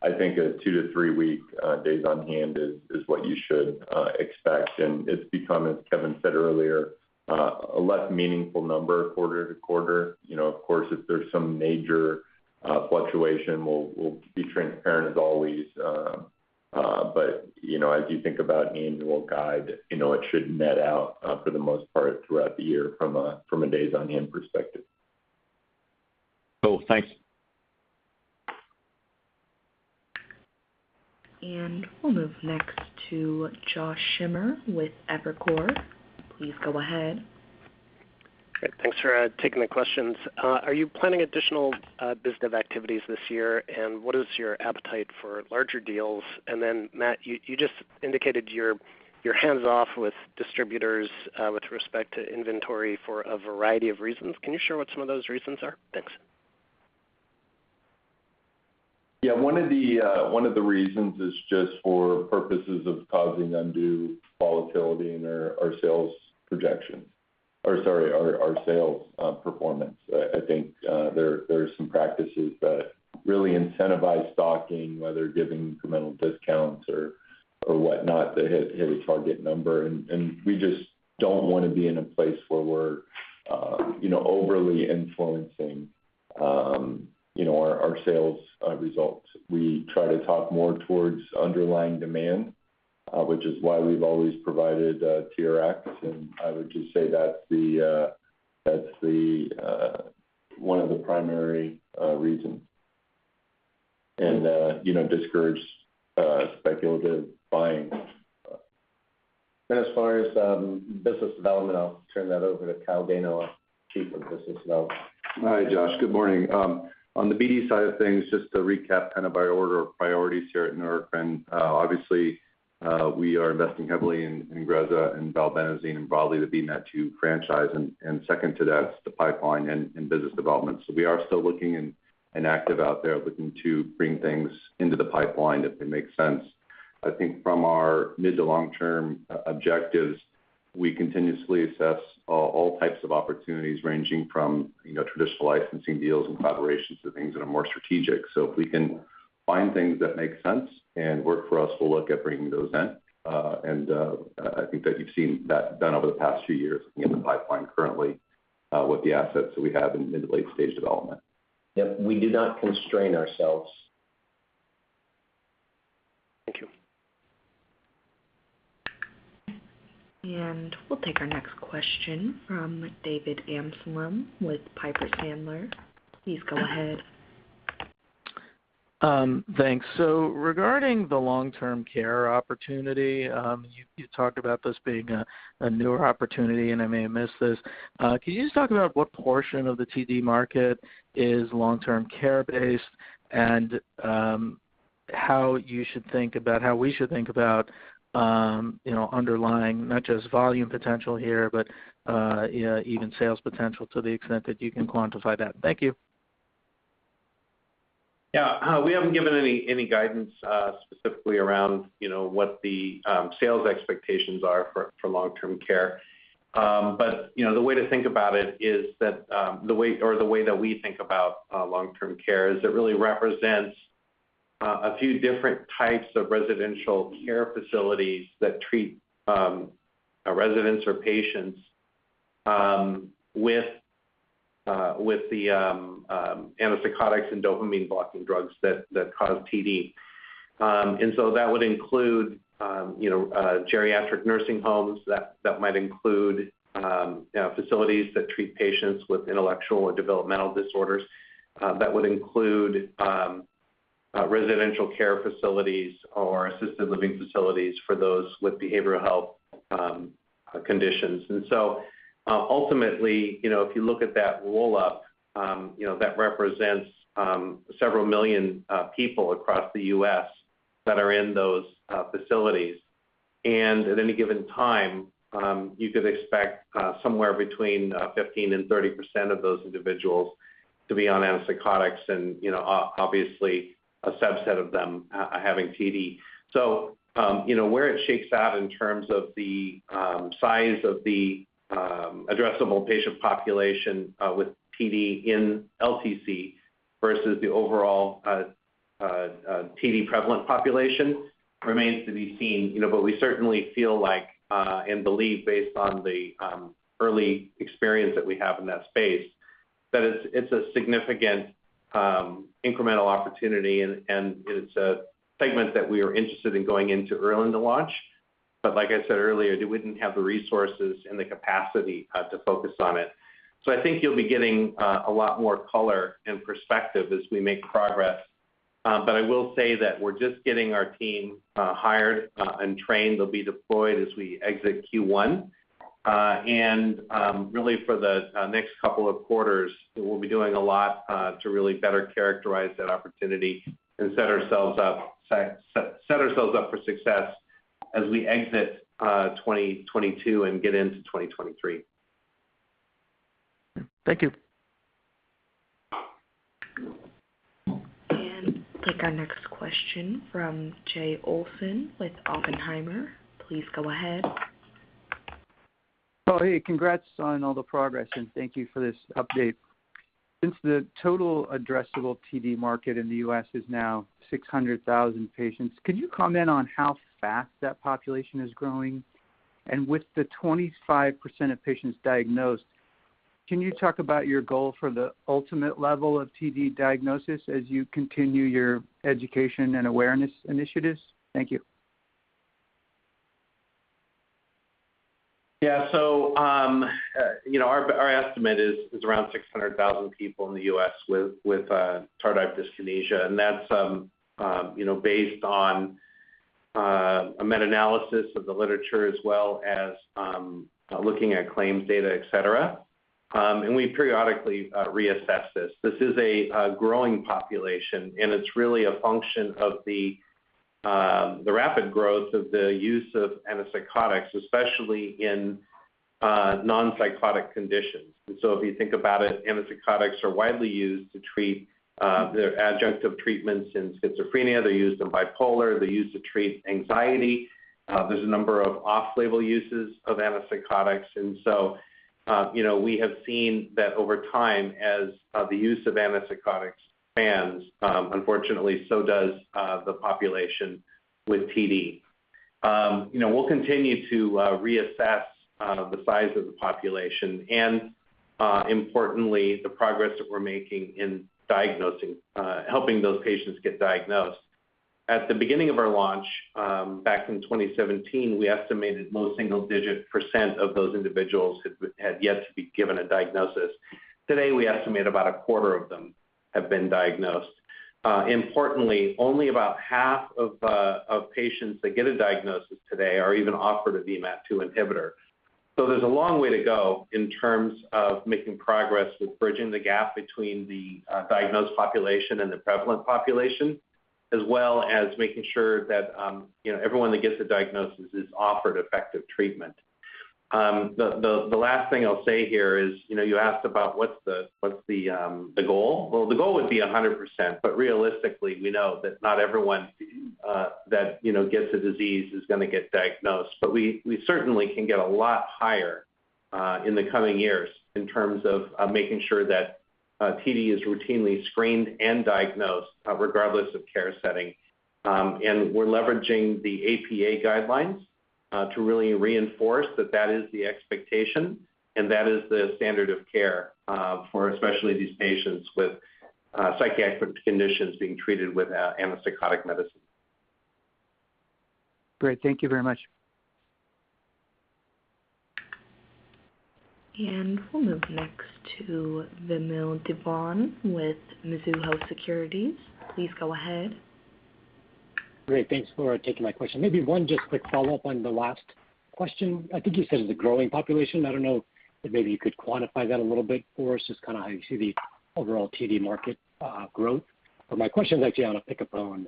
I think a two to three-week days on hand is what you should expect. It's become, as Kevin said earlier, a less meaningful number quarter to quarter. You know, of course, if there's some major fluctuation, we'll be transparent as always. You know, as you think about annual guide, you know, it should net out for the most part throughout the year from a days on hand perspective. Cool. Thanks. We'll move next to Josh Schimmer with Evercore. Please go ahead. Great. Thanks for taking the questions. Are you planning additional biz dev activities this year, and what is your appetite for larger deals? Matt, you just indicated you're hands-off with distributors with respect to inventory for a variety of reasons. Can you share what some of those reasons are? Thanks. Yeah. One of the reasons is just for purposes of causing undue volatility in our sales projections. Or sorry, our sales performance. I think there are some practices that really incentivize stocking, whether giving incremental discounts or whatnot to hit a target number. We just don't wanna be in a place where we're you know overly influencing you know our sales results. We try to talk more towards underlying demand, which is why we've always provided TRx, and I would just say that's the one of the primary reasons. You know, discourage speculative buying. As far as business development, I'll turn that over to Kyle Gano, our Chief of Business Development. Hi, Josh. Good morning. On the BD side of things, just to recap kind of our order of priorities here at Neurocrine. Obviously, we are investing heavily in INGREZZA and valbenazine and broad VMAT2 franchise. Second to that is the pipeline and business development. We are still looking and active out there looking to bring things into the pipeline if it makes sense. I think from our mid to long-term objectives, we continuously assess all types of opportunities ranging from, you know, traditional licensing deals and collaborations to things that are more strategic. If we can find things that make sense and work for us, we'll look at bringing those in. I think that you've seen that done over the past few years looking at the pipeline currently with the assets that we have in mid- to late-stage development. Yep. We do not constrain ourselves. Thank you. We'll take our next question from David Amsellem with Piper Sandler. Please go ahead. Thanks. Regarding the long-term care opportunity, you talked about this being a newer opportunity, and I may have missed this. Can you just talk about what portion of the TD market is long-term care based and how we should think about, you know, underlying not just volume potential here, but you know, even sales potential to the extent that you can quantify that? Thank you. Yeah. We haven't given any guidance specifically around, you know, what the sales expectations are for long-term care. The way to think about it is that the way that we think about long-term care is it really represents a few different types of residential care facilities that treat residents or patients with the antipsychotics and dopamine blocking drugs that cause TD. That would include, you know, geriatric nursing homes. That might include facilities that treat patients with intellectual or developmental disorders. That would include residential care facilities or assisted living facilities for those with behavioral health conditions. Ultimately, you know, if you look at that roll-up, you know, that represents several million people across the U.S. that are in those facilities. At any given time, you could expect somewhere between 15%-30% of those individuals to be on antipsychotics and, you know, obviously a subset of them having TD. You know, where it shakes out in terms of the size of the addressable patient population with TD in LTC versus the overall TD prevalent population remains to be seen. You know, we certainly feel like and believe based on the early experience that we have in that space, that it's a significant incremental opportunity and it's a segment that we are interested in going into early in the launch. Like I said earlier, we didn't have the resources and the capacity to focus on it. I think you'll be getting a lot more color and perspective as we make progress. I will say that we're just getting our team hired and trained. They'll be deployed as we exit Q1. Really for the next couple of quarters, we'll be doing a lot to really better characterize that opportunity and set ourselves up for success as we exit 2022 and get into 2023. Thank you. Take our next question from Jay Olson with Oppenheimer. Please go ahead. Oh, hey, congrats on all the progress, and thank you for this update. Since the total addressable TD market in the U.S. is now 600,000 patients, could you comment on how fast that population is growing? With the 25% of patients diagnosed, can you talk about your goal for the ultimate level of TD diagnosis as you continue your education and awareness initiatives? Thank you. Yeah. So, you know, our estimate is around 600,000 people in the U.S. with tardive dyskinesia. That's you know, based on a meta-analysis of the literature as well as looking at claims data, et cetera. We periodically reassess this. This is a growing population, and it's really a function of the rapid growth of the use of antipsychotics, especially in non-psychotic conditions. If you think about it, antipsychotics are widely used to treat, they're adjunctive treatments in schizophrenia. They're used in bipolar. They're used to treat anxiety. There's a number of off-label uses of antipsychotics. You know, we have seen that over time as the use of antipsychotics expands, unfortunately, so does the population with TD. You know, we'll continue to reassess the size of the population and, importantly, the progress that we're making in helping those patients get diagnosed. At the beginning of our launch, back in 2017, we estimated a low single-digit % of those individuals had yet to be given a diagnosis. Today, we estimate about a quarter of them have been diagnosed. Importantly, only about half of patients that get a diagnosis today are even offered a VMAT2 inhibitor. There's a long way to go in terms of making progress with bridging the gap between the diagnosed population and the prevalent population, as well as making sure that, you know, everyone that gets a diagnosis is offered effective treatment. The last thing I'll say here is, you know, you asked about what's the goal. Well, the goal would be 100%, but realistically, we know that not everyone that, you know, gets a disease is gonna get diagnosed. We certainly can get a lot higher in the coming years in terms of making sure that TD is routinely screened and diagnosed regardless of care setting. We're leveraging the APA guidelines to really reinforce that that is the expectation and that is the standard of care for especially these patients with psychiatric conditions being treated with antipsychotic medicine. Great. Thank you very much. We'll move next to Vamil Divan with Mizuho Securities. Please go ahead. Great. Thanks for taking my question. Maybe one just quick follow-up on the last question. I think you said it's a growing population. I don't know if maybe you could quantify that a little bit for us, just kinda how you see the overall TD market growth. My question is actually on opicapone.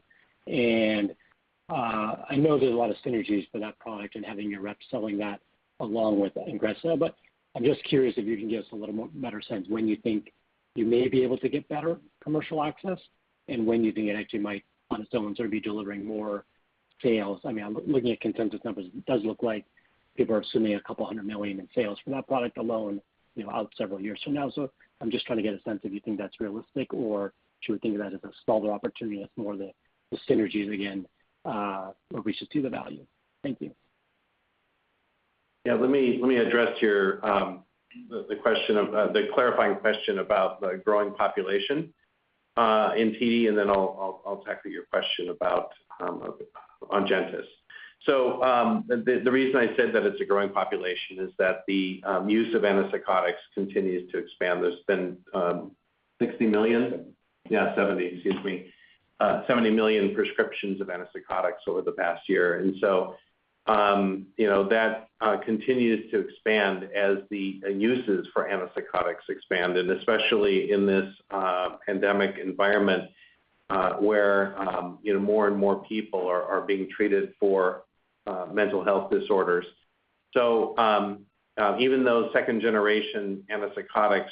I know there's a lot of synergies for that product and having your reps selling that along with INGREZZA, but I'm just curious if you can give us a little more better sense when you think you may be able to get better commercial access and when you think it actually might on its own sort of be delivering more sales. I mean, I'm looking at consensus numbers. It does look like people are assuming $200 million in sales for that product alone, you know, out several years from now. I'm just trying to get a sense if you think that's realistic or should we think of that as a smaller opportunity that's more the synergies again, what we should see the value? Thank you. Yeah. Let me address your clarifying question about the growing population in TD, and then I'll tackle your question about ONGENTYS. The reason I said that it's a growing population is that the use of antipsychotics continues to expand. There's been 70 million prescriptions of antipsychotics over the past year. You know, that continues to expand as the uses for antipsychotics expand, and especially in this pandemic environment, where you know, more and more people are being treated for mental health disorders. Even though second-generation antipsychotics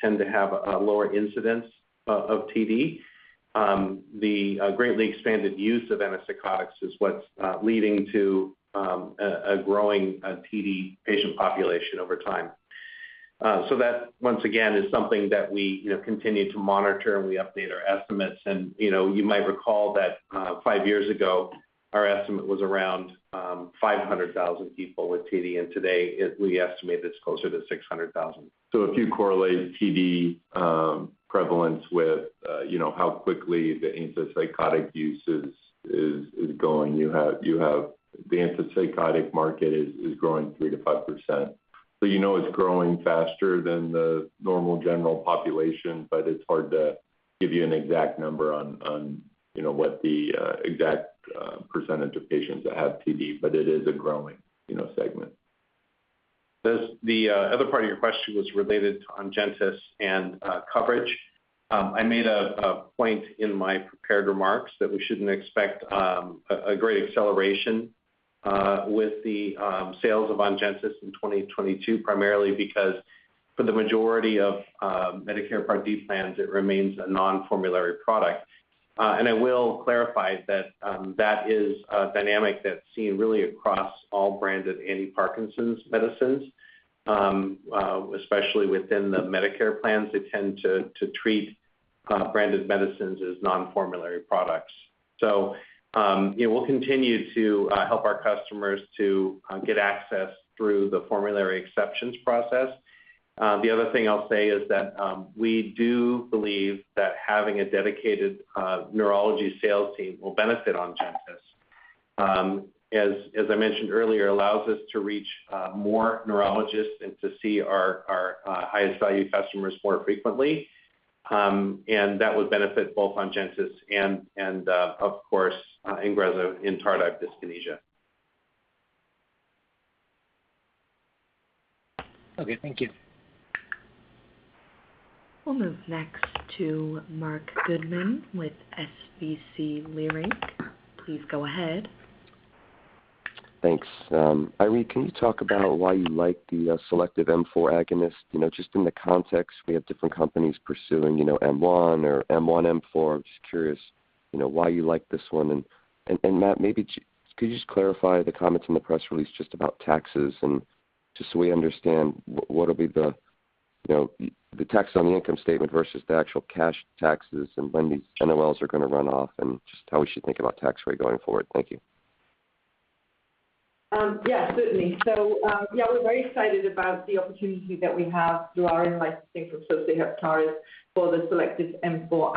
tend to have a lower incidence of TD, the greatly expanded use of antipsychotics is what's leading to a growing TD patient population over time. That, once again, is something that we, you know, continue to monitor and we update our estimates. You know, you might recall that five years ago, our estimate was around 500,000 people with TD, and today we estimate it's closer to 600,000 people. If you correlate TD prevalence with you know how quickly the antipsychotic use is going, you have the antipsychotic market is growing 3%-5%. You know it's growing faster than the normal general population, but it's hard to give you an exact number on you know what the exact percentage of patients that have TD, but it is a growing you know segment. The other part of your question was related to ONGENTYS and coverage. I made a point in my prepared remarks that we shouldn't expect a great acceleration with the sales of ONGENTYS in 2022, primarily because for the majority of Medicare Part D plans, it remains a non-formulary product. I will clarify that that is a dynamic that's seen really across all branded anti-Parkinson's medicines, especially within the Medicare plans that tend to treat branded medicines as non-formulary products. You know, we'll continue to help our customers to get access through the formulary exceptions process. The other thing I'll say is that we do believe that having a dedicated neurology sales team will benefit ONGENTYS. As I mentioned earlier, allows us to reach more neurologists and to see our highest value customers more frequently. That would benefit both ONGENTYS and, of course, INGREZZA in tardive dyskinesia. Okay. Thank you. We'll move next to Marc Goodman with SVB Leerink. Please go ahead. Thanks. Eiry, can you talk about why you like the selective M4 agonist? You know, just in the context we have different companies pursuing, you know, M1 or M1M4. Just curious, you know, why you like this one. Matt, maybe could you just clarify the comments in the press release just about taxes and just so we understand what will be the, you know, the tax on the income statement versus the actual cash taxes and when these NOLs are gonna run off and just how we should think about tax rate going forward. Thank you. Yeah, certainly. We're very excited about the opportunity that we have through our in-licensing from Sosei Heptares for the selective M4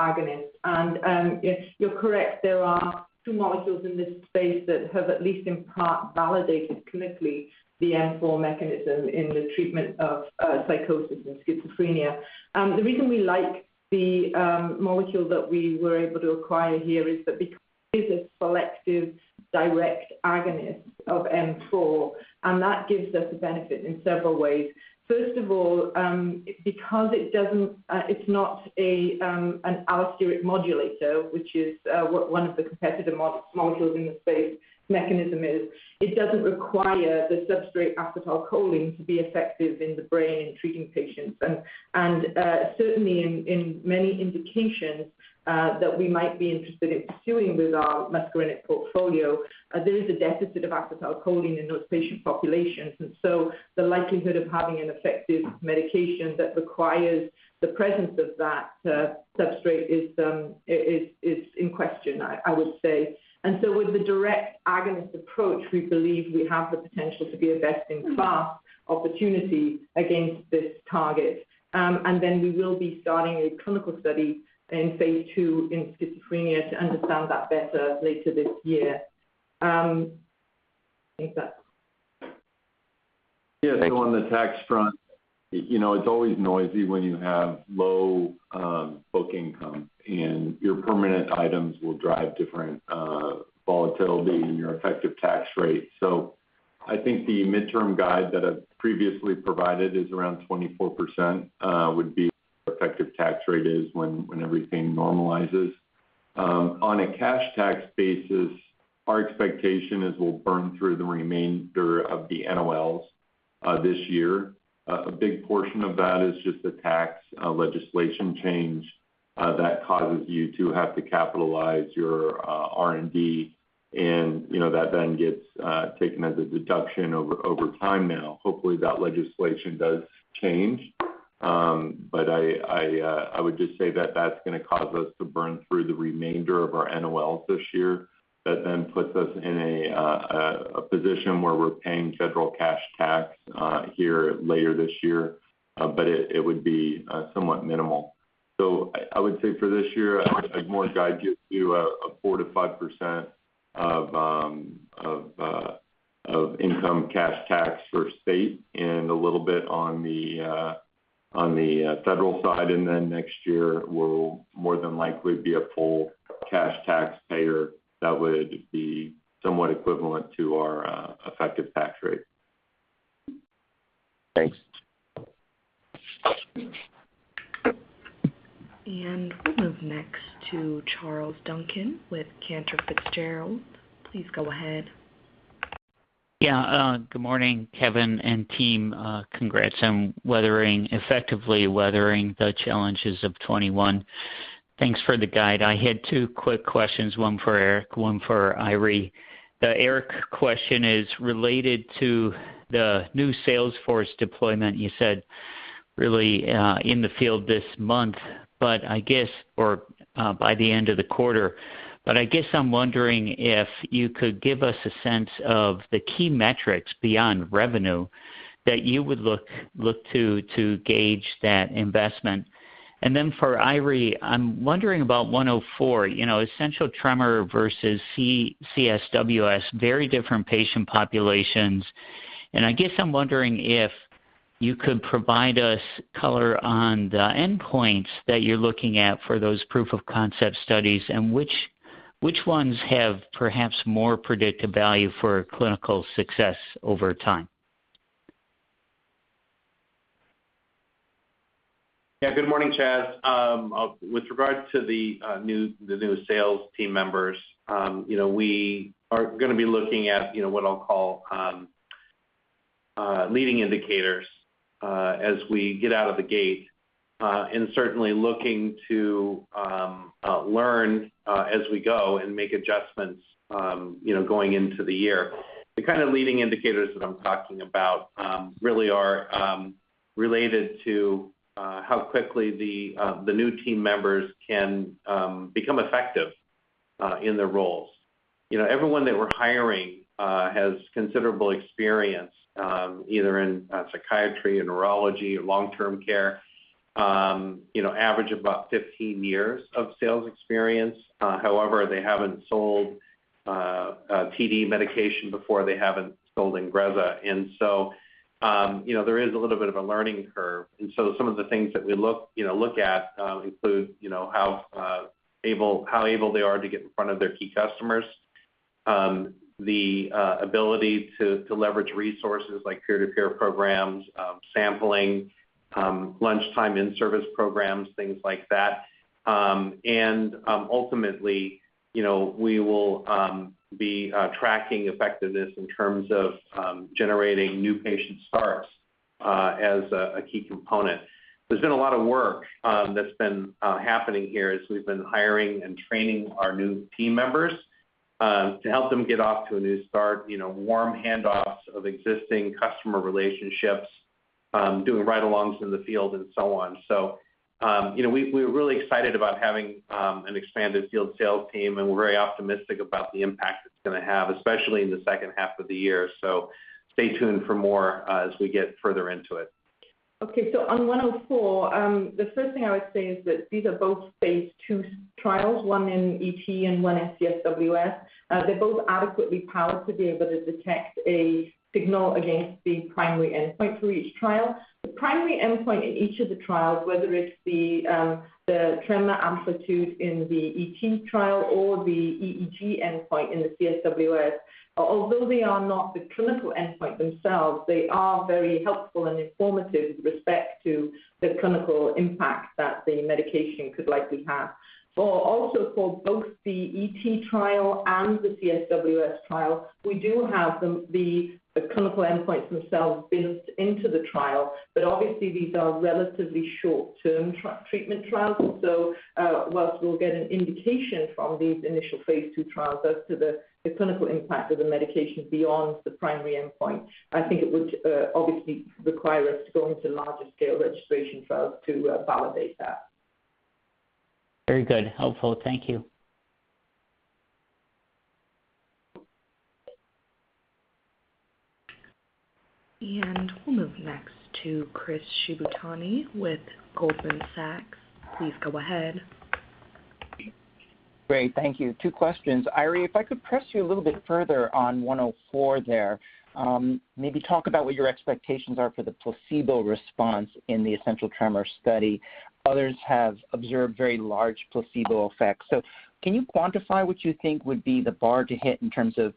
agonist. You're correct, there are two molecules in this space that have at least in part validated clinically the M4 mechanism in the treatment of psychosis and schizophrenia. The reason we like the molecule that we were able to acquire here is that it is a selective direct agonist of M4, and that gives us a benefit in several ways. First of all, because it doesn't, it's not an allosteric modulator, which is what one of the competitor molecules in the space mechanism is. It doesn't require the substrate acetylcholine to be effective in the brain in treating patients. Certainly in many indications that we might be interested in pursuing with our muscarinic portfolio, there is a deficit of acetylcholine in those patient populations. The likelihood of having an effective medication that requires the presence of that substrate is in question, I would say. With the direct agonist approach, we believe we have the potential to be a best-in-class opportunity against this target. Then we will be starting a clinical study in phase II in schizophrenia to understand that better later this year. Take that. Yeah. On the tax front, you know, it's always noisy when you have low book income, and your permanent items will drive different volatility in your effective tax rate. I think the midterm guide that I've previously provided is around 24%. That would be the effective tax rate when everything normalizes. On a cash tax basis, our expectation is we'll burn through the remainder of the NOLs this year. A big portion of that is just a tax legislation change that causes you to have to capitalize your R&D. You know, that then gets taken as a deduction over time now. Hopefully, that legislation does change. I would just say that that's gonna cause us to burn through the remainder of our NOL this year. That then puts us in a position where we're paying federal cash tax here later this year. It would be somewhat minimal. I would say for this year, I'd more guide you to a 4%-5% of income cash tax for state and a little bit on the federal side. Next year, we'll more than likely be a full cash taxpayer that would be somewhat equivalent to our effective tax rate. Thanks. We'll move next to Charles Duncan with Cantor Fitzgerald. Please go ahead. Yeah. Good morning, Kevin and team. Congrats on effectively weathering the challenges of 2021. Thanks for the guide. I had two quick questions, one for Eric, one for Eiry. The Eric question is related to the new salesforce deployment you said in the field this month, but I guess, or by the end of the quarter. But I guess I'm wondering if you could give us a sense of the key metrics beyond revenue that you would look to gauge that investment. And then for Eiry, I'm wondering about 104, you know, essential tremor versus CSWS, very different patient populations. And I guess I'm wondering if you could provide us color on the endpoints that you're looking at for those proof of concept studies and which ones have perhaps more predictive value for clinical success over time. Yeah. Good morning, Chaz. With regard to the new sales team members, you know, we are gonna be looking at, you know, what I'll call leading indicators as we get out of the gate and certainly looking to learn as we go and make adjustments, you know, going into the year. The kind of leading indicators that I'm talking about really are related to how quickly the new team members can become effective in their roles. You know, everyone that we're hiring has considerable experience either in psychiatry or neurology or long-term care. You know, average of about 15 years of sales experience. However, they haven't sold a TD medication before. They haven't sold INGREZZA. There is a little bit of a learning curve. Some of the things that we look at include how able they are to get in front of their key customers, the ability to leverage resources like peer-to-peer programs, sampling, lunchtime in-service programs, things like that. Ultimately, you know, we will be tracking effectiveness in terms of generating new patient starts as a key component. There's been a lot of work that's been happening here as we've been hiring and training our new team members to help them get off to a new start, you know, warm handoffs of existing customer relationships, doing ride-alongs in the field, and so on. You know, we're really excited about having an expanded field sales team, and we're very optimistic about the impact it's gonna have, especially in the second half of the year. Stay tuned for more, as we get further into it. Okay. On 104, the first thing I would say is that these are both phase II trials, one in ET and one in CSWS. They're both adequately powered to be able to detect a signal against the primary endpoint for each trial. The primary endpoint in each of the trials, whether it's the tremor amplitude in the ET trial or the EEG endpoint in the CSWS, although they are not the clinical endpoint themselves, they are very helpful and informative with respect to the clinical impact that the medication could likely have. Also for both the ET trial and the CSWS trial, we do have the clinical endpoints themselves built into the trial, but obviously these are relatively short-term treatment trials. While we'll get an indication from these initial phase II trials as to the clinical impact of the medication beyond the primary endpoint, I think it would obviously require us to go into larger scale registration trials to validate that. Very good. Helpful. Thank you. We'll move next to Chris Shibutani with Goldman Sachs. Please go ahead. Great. Thank you. Two questions. Eiry, if I could press you a little bit further on 104 there. Maybe talk about what your expectations are for the placebo response in the essential tremor study. Others have observed very large placebo effects. Can you quantify what you think would be the bar to hit in terms of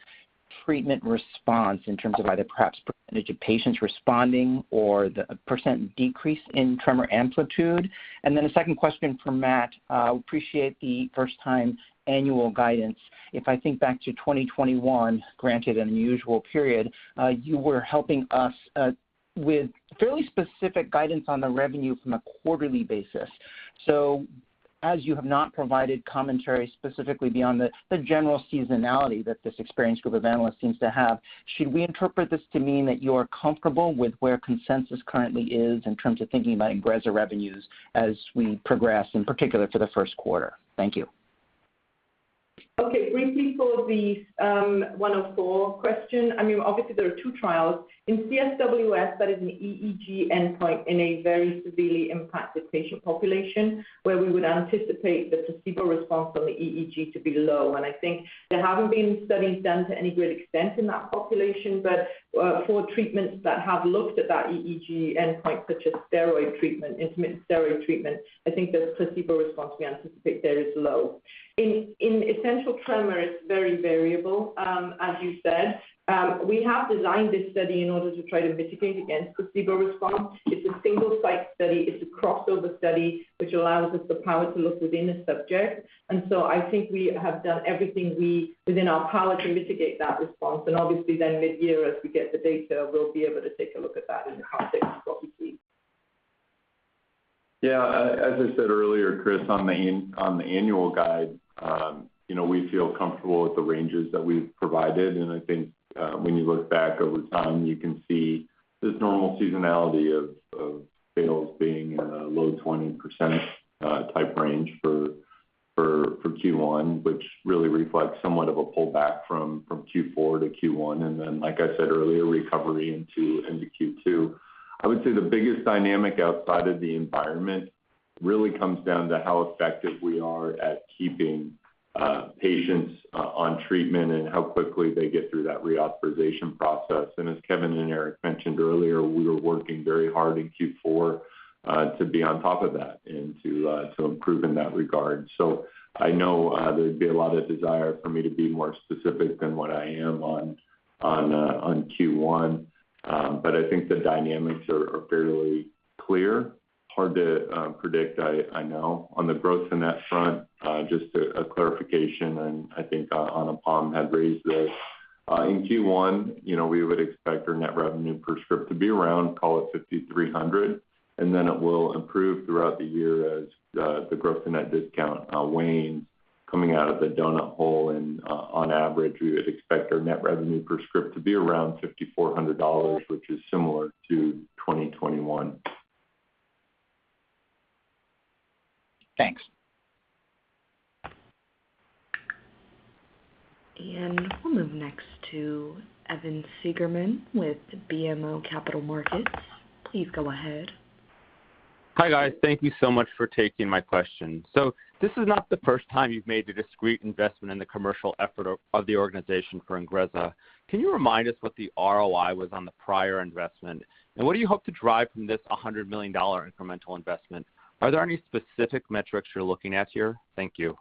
treatment response in terms of either perhaps percentage of patients responding or the percent decrease in tremor amplitude? Then a second question for Matt. Appreciate the first time annual guidance. If I think back to 2021, granted an unusual period, you were helping us with fairly specific guidance on the revenue from a quarterly basis. As you have not provided commentary specifically beyond the general seasonality that this experienced group of analysts seems to have, should we interpret this to mean that you're comfortable with where consensus currently is in terms of thinking about INGREZZA revenues as we progress, in particular for the first quarter? Thank you. Okay. Briefly for the 104 question. I mean, obviously there are two trials. In CSWS, that is an EEG endpoint in a very severely impacted patient population, where we would anticipate the placebo response from the EEG to be low. I think there haven't been studies done to any great extent in that population. For treatments that have looked at that EEG endpoint, such as steroid treatment, intermittent steroid treatment, I think the placebo response we anticipate there is low. In essential tremor, it's very variable, as you said. We have designed this study in order to try to mitigate against placebo response. It's a single site study. It's a crossover study, which allows us the power to look within a subject. I think we have done everything within our power to mitigate that response. Obviously mid-year as we get the data, we'll be able to take a look at that in the context of what we see. Yeah. As I said earlier, Chris, on the annual guide, you know, we feel comfortable with the ranges that we've provided. I think, when you look back over time, you can see this normal seasonality of sales being in a low 20% type range for Q1, which really reflects somewhat of a pullback from Q4 to Q1. Then, like I said earlier, recovery into Q2. I would say the biggest dynamic outside of the environment really comes down to how effective we are at keeping patients on treatment and how quickly they get through that reauthorization process. As Kevin and Eric mentioned earlier, we were working very hard in Q4 to be on top of that and to improve in that regard. I know there'd be a lot of desire for me to be more specific than what I am on Q1. But I think the dynamics are fairly clear. Hard to predict, I know. On the gross to net front, just a clarification, and I think Anupam had raised this. In Q1, you know, we would expect our net revenue per script to be around, call it $5,300, and then it will improve throughout the year as the gross to net discount wanes coming out of the donut hole. On average, we would expect our net revenue per script to be around $5,400, which is similar to 2021. Thanks. We'll move next to Evan Seigerman with BMO Capital Markets. Please go ahead. Hi, guys. Thank you so much for taking my question. This is not the first time you've made the discrete investment in the commercial effort of the organization for INGREZZA. Can you remind us what the ROI was on the prior investment? And what do you hope to drive from this $100 million incremental investment? Are there any specific metrics you're looking at here? Thank you.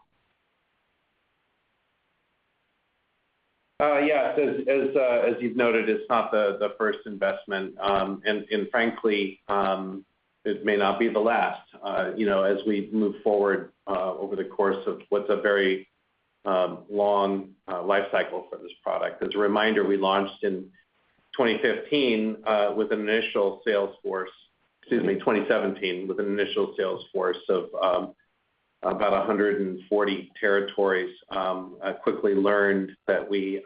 Yes. As you've noted, it's not the first investment. Frankly, it may not be the last, you know, as we move forward over the course of what's a very long life cycle for this product. As a reminder, we launched in 2017 with an initial sales force of about 140 territories. Quickly learned that we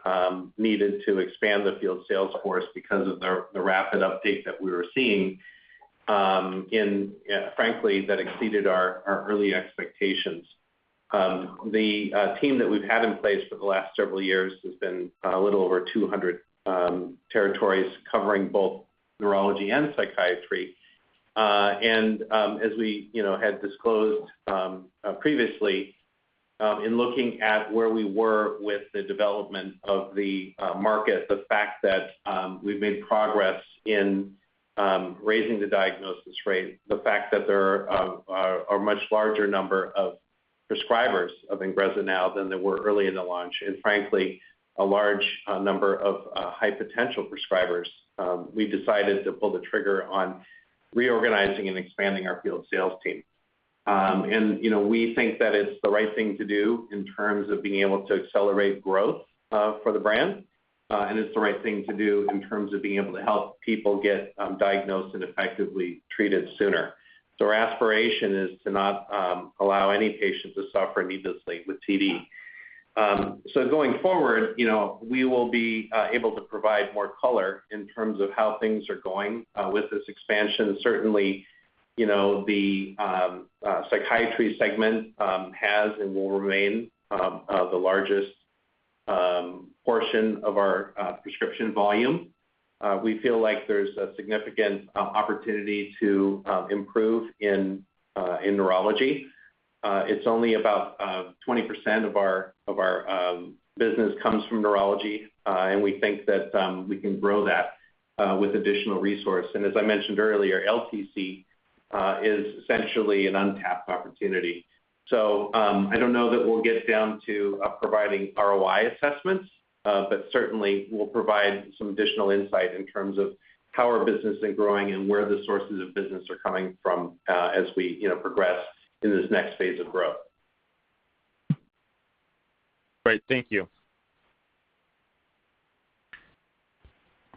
needed to expand the field sales force because of the rapid uptake that we were seeing, and frankly, that exceeded our early expectations. The team that we've had in place for the last several years has been a little over 200 territories covering both neurology and psychiatry. As we, you know, had disclosed previously, in looking at where we were with the development of the market, the fact that we've made progress in raising the diagnosis rate, the fact that there are a much larger number of prescribers of INGREZZA now than there were early in the launch, and frankly, a large number of high potential prescribers, we decided to pull the trigger on reorganizing and expanding our field sales team. You know, we think that it's the right thing to do in terms of being able to accelerate growth for the brand, and it's the right thing to do in terms of being able to help people get diagnosed and effectively treated sooner. Our aspiration is to not allow any patient to suffer needlessly with TD. Going forward, you know, we will be able to provide more color in terms of how things are going with this expansion. Certainly, you know, the psychiatry segment has and will remain the largest portion of our prescription volume. We feel like there's a significant opportunity to improve in neurology. It's only about 20% of our business comes from neurology, and we think that we can grow that with additional resource. As I mentioned earlier, LTC is essentially an untapped opportunity. I don't know that we'll get down to providing ROI assessments, but certainly we'll provide some additional insight in terms of how our business is growing and where the sources of business are coming from, as we progress in this next phase of growth. Great. Thank you.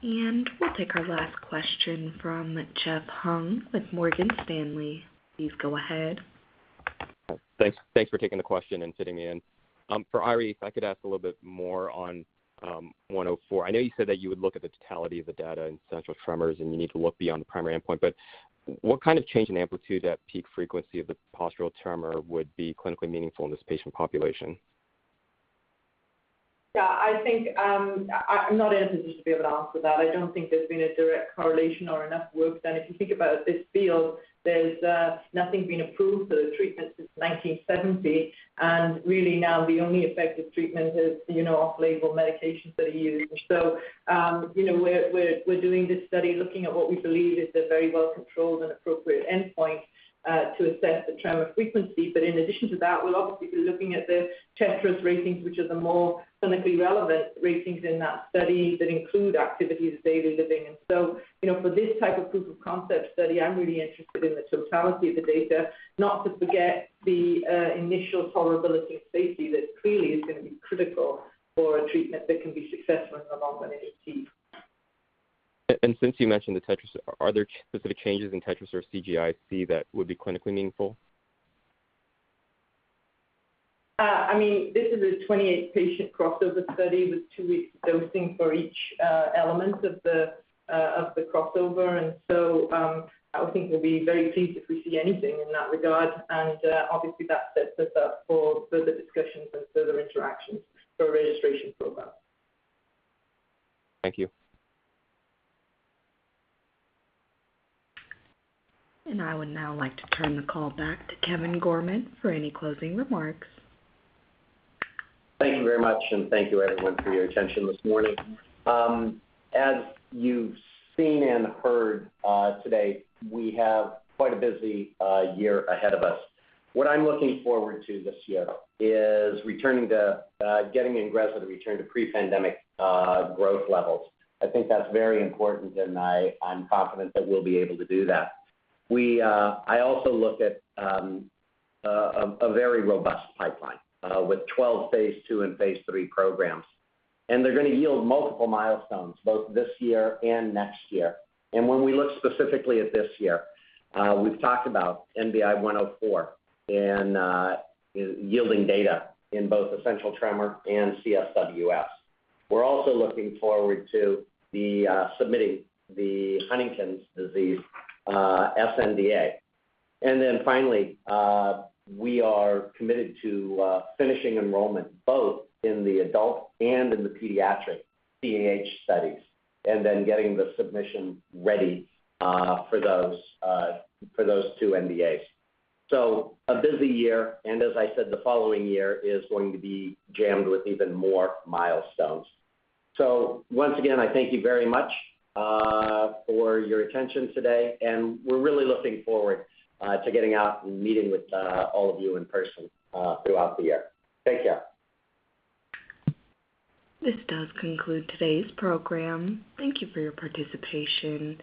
We'll take our last question from Jeff Hung with Morgan Stanley. Please go ahead. Thanks for taking the question and fitting me in. For Eiry, if I could ask a little bit more on NBI-827104. I know you said that you would look at the totality of the data in essential tremors, and you need to look beyond the primary endpoint, but what kind of change in amplitude at peak frequency of the postural tremor would be clinically meaningful in this patient population? Yeah, I think, I'm not in a position to be able to answer that. I don't think there's been a direct correlation or enough work done. If you think about this field, there's nothing been approved for the treatment since 1970. Really now the only effective treatment is, you know, off-label medications that are used. You know, we're doing this study looking at what we believe is a very well controlled and appropriate endpoint to assess the tremor frequency. In addition to that, we'll obviously be looking at the TETRAS ratings, which are the more clinically relevant ratings in that study that include activities of daily living. You know, for this type of proof of concept study, I'm really interested in the totality of the data. Not to forget the initial tolerability and safety that clearly is gonna be critical for a treatment that can be successful in the long run in TD. Since you mentioned the TETRAS, are there specific changes in TETRAS or CGI-C that would be clinically meaningful? I mean, this is a 28-patient crossover study with 2 weeks dosing for each element of the crossover. I would think we'll be very pleased if we see anything in that regard. Obviously that sets us up for further discussions and further interactions for registration program. Thank you. I would now like to turn the call back to Kevin Gorman for any closing remarks. Thank you very much, and thank you everyone for your attention this morning. As you've seen and heard, today, we have quite a busy year ahead of us. What I'm looking forward to this year is returning to getting INGREZZA to return to pre-pandemic growth levels. I think that's very important, and I'm confident that we'll be able to do that. I also look at a very robust pipeline with 12 phase II and phase III programs, and they're gonna yield multiple milestones both this year and next year. When we look specifically at this year, we've talked about NBI-104 and yielding data in both essential tremor and CSWS. We're also looking forward to submitting the Huntington's disease sNDA. Finally, we are committed to finishing enrollment both in the adult and in the pediatric CAH studies, and then getting the submission ready for those two NDAs. A busy year, and as I said, the following year is going to be jammed with even more milestones. Once again, I thank you very much for your attention today, and we're really looking forward to getting out and meeting with all of you in person throughout the year. Take care. This does conclude today's program. Thank you for your participation.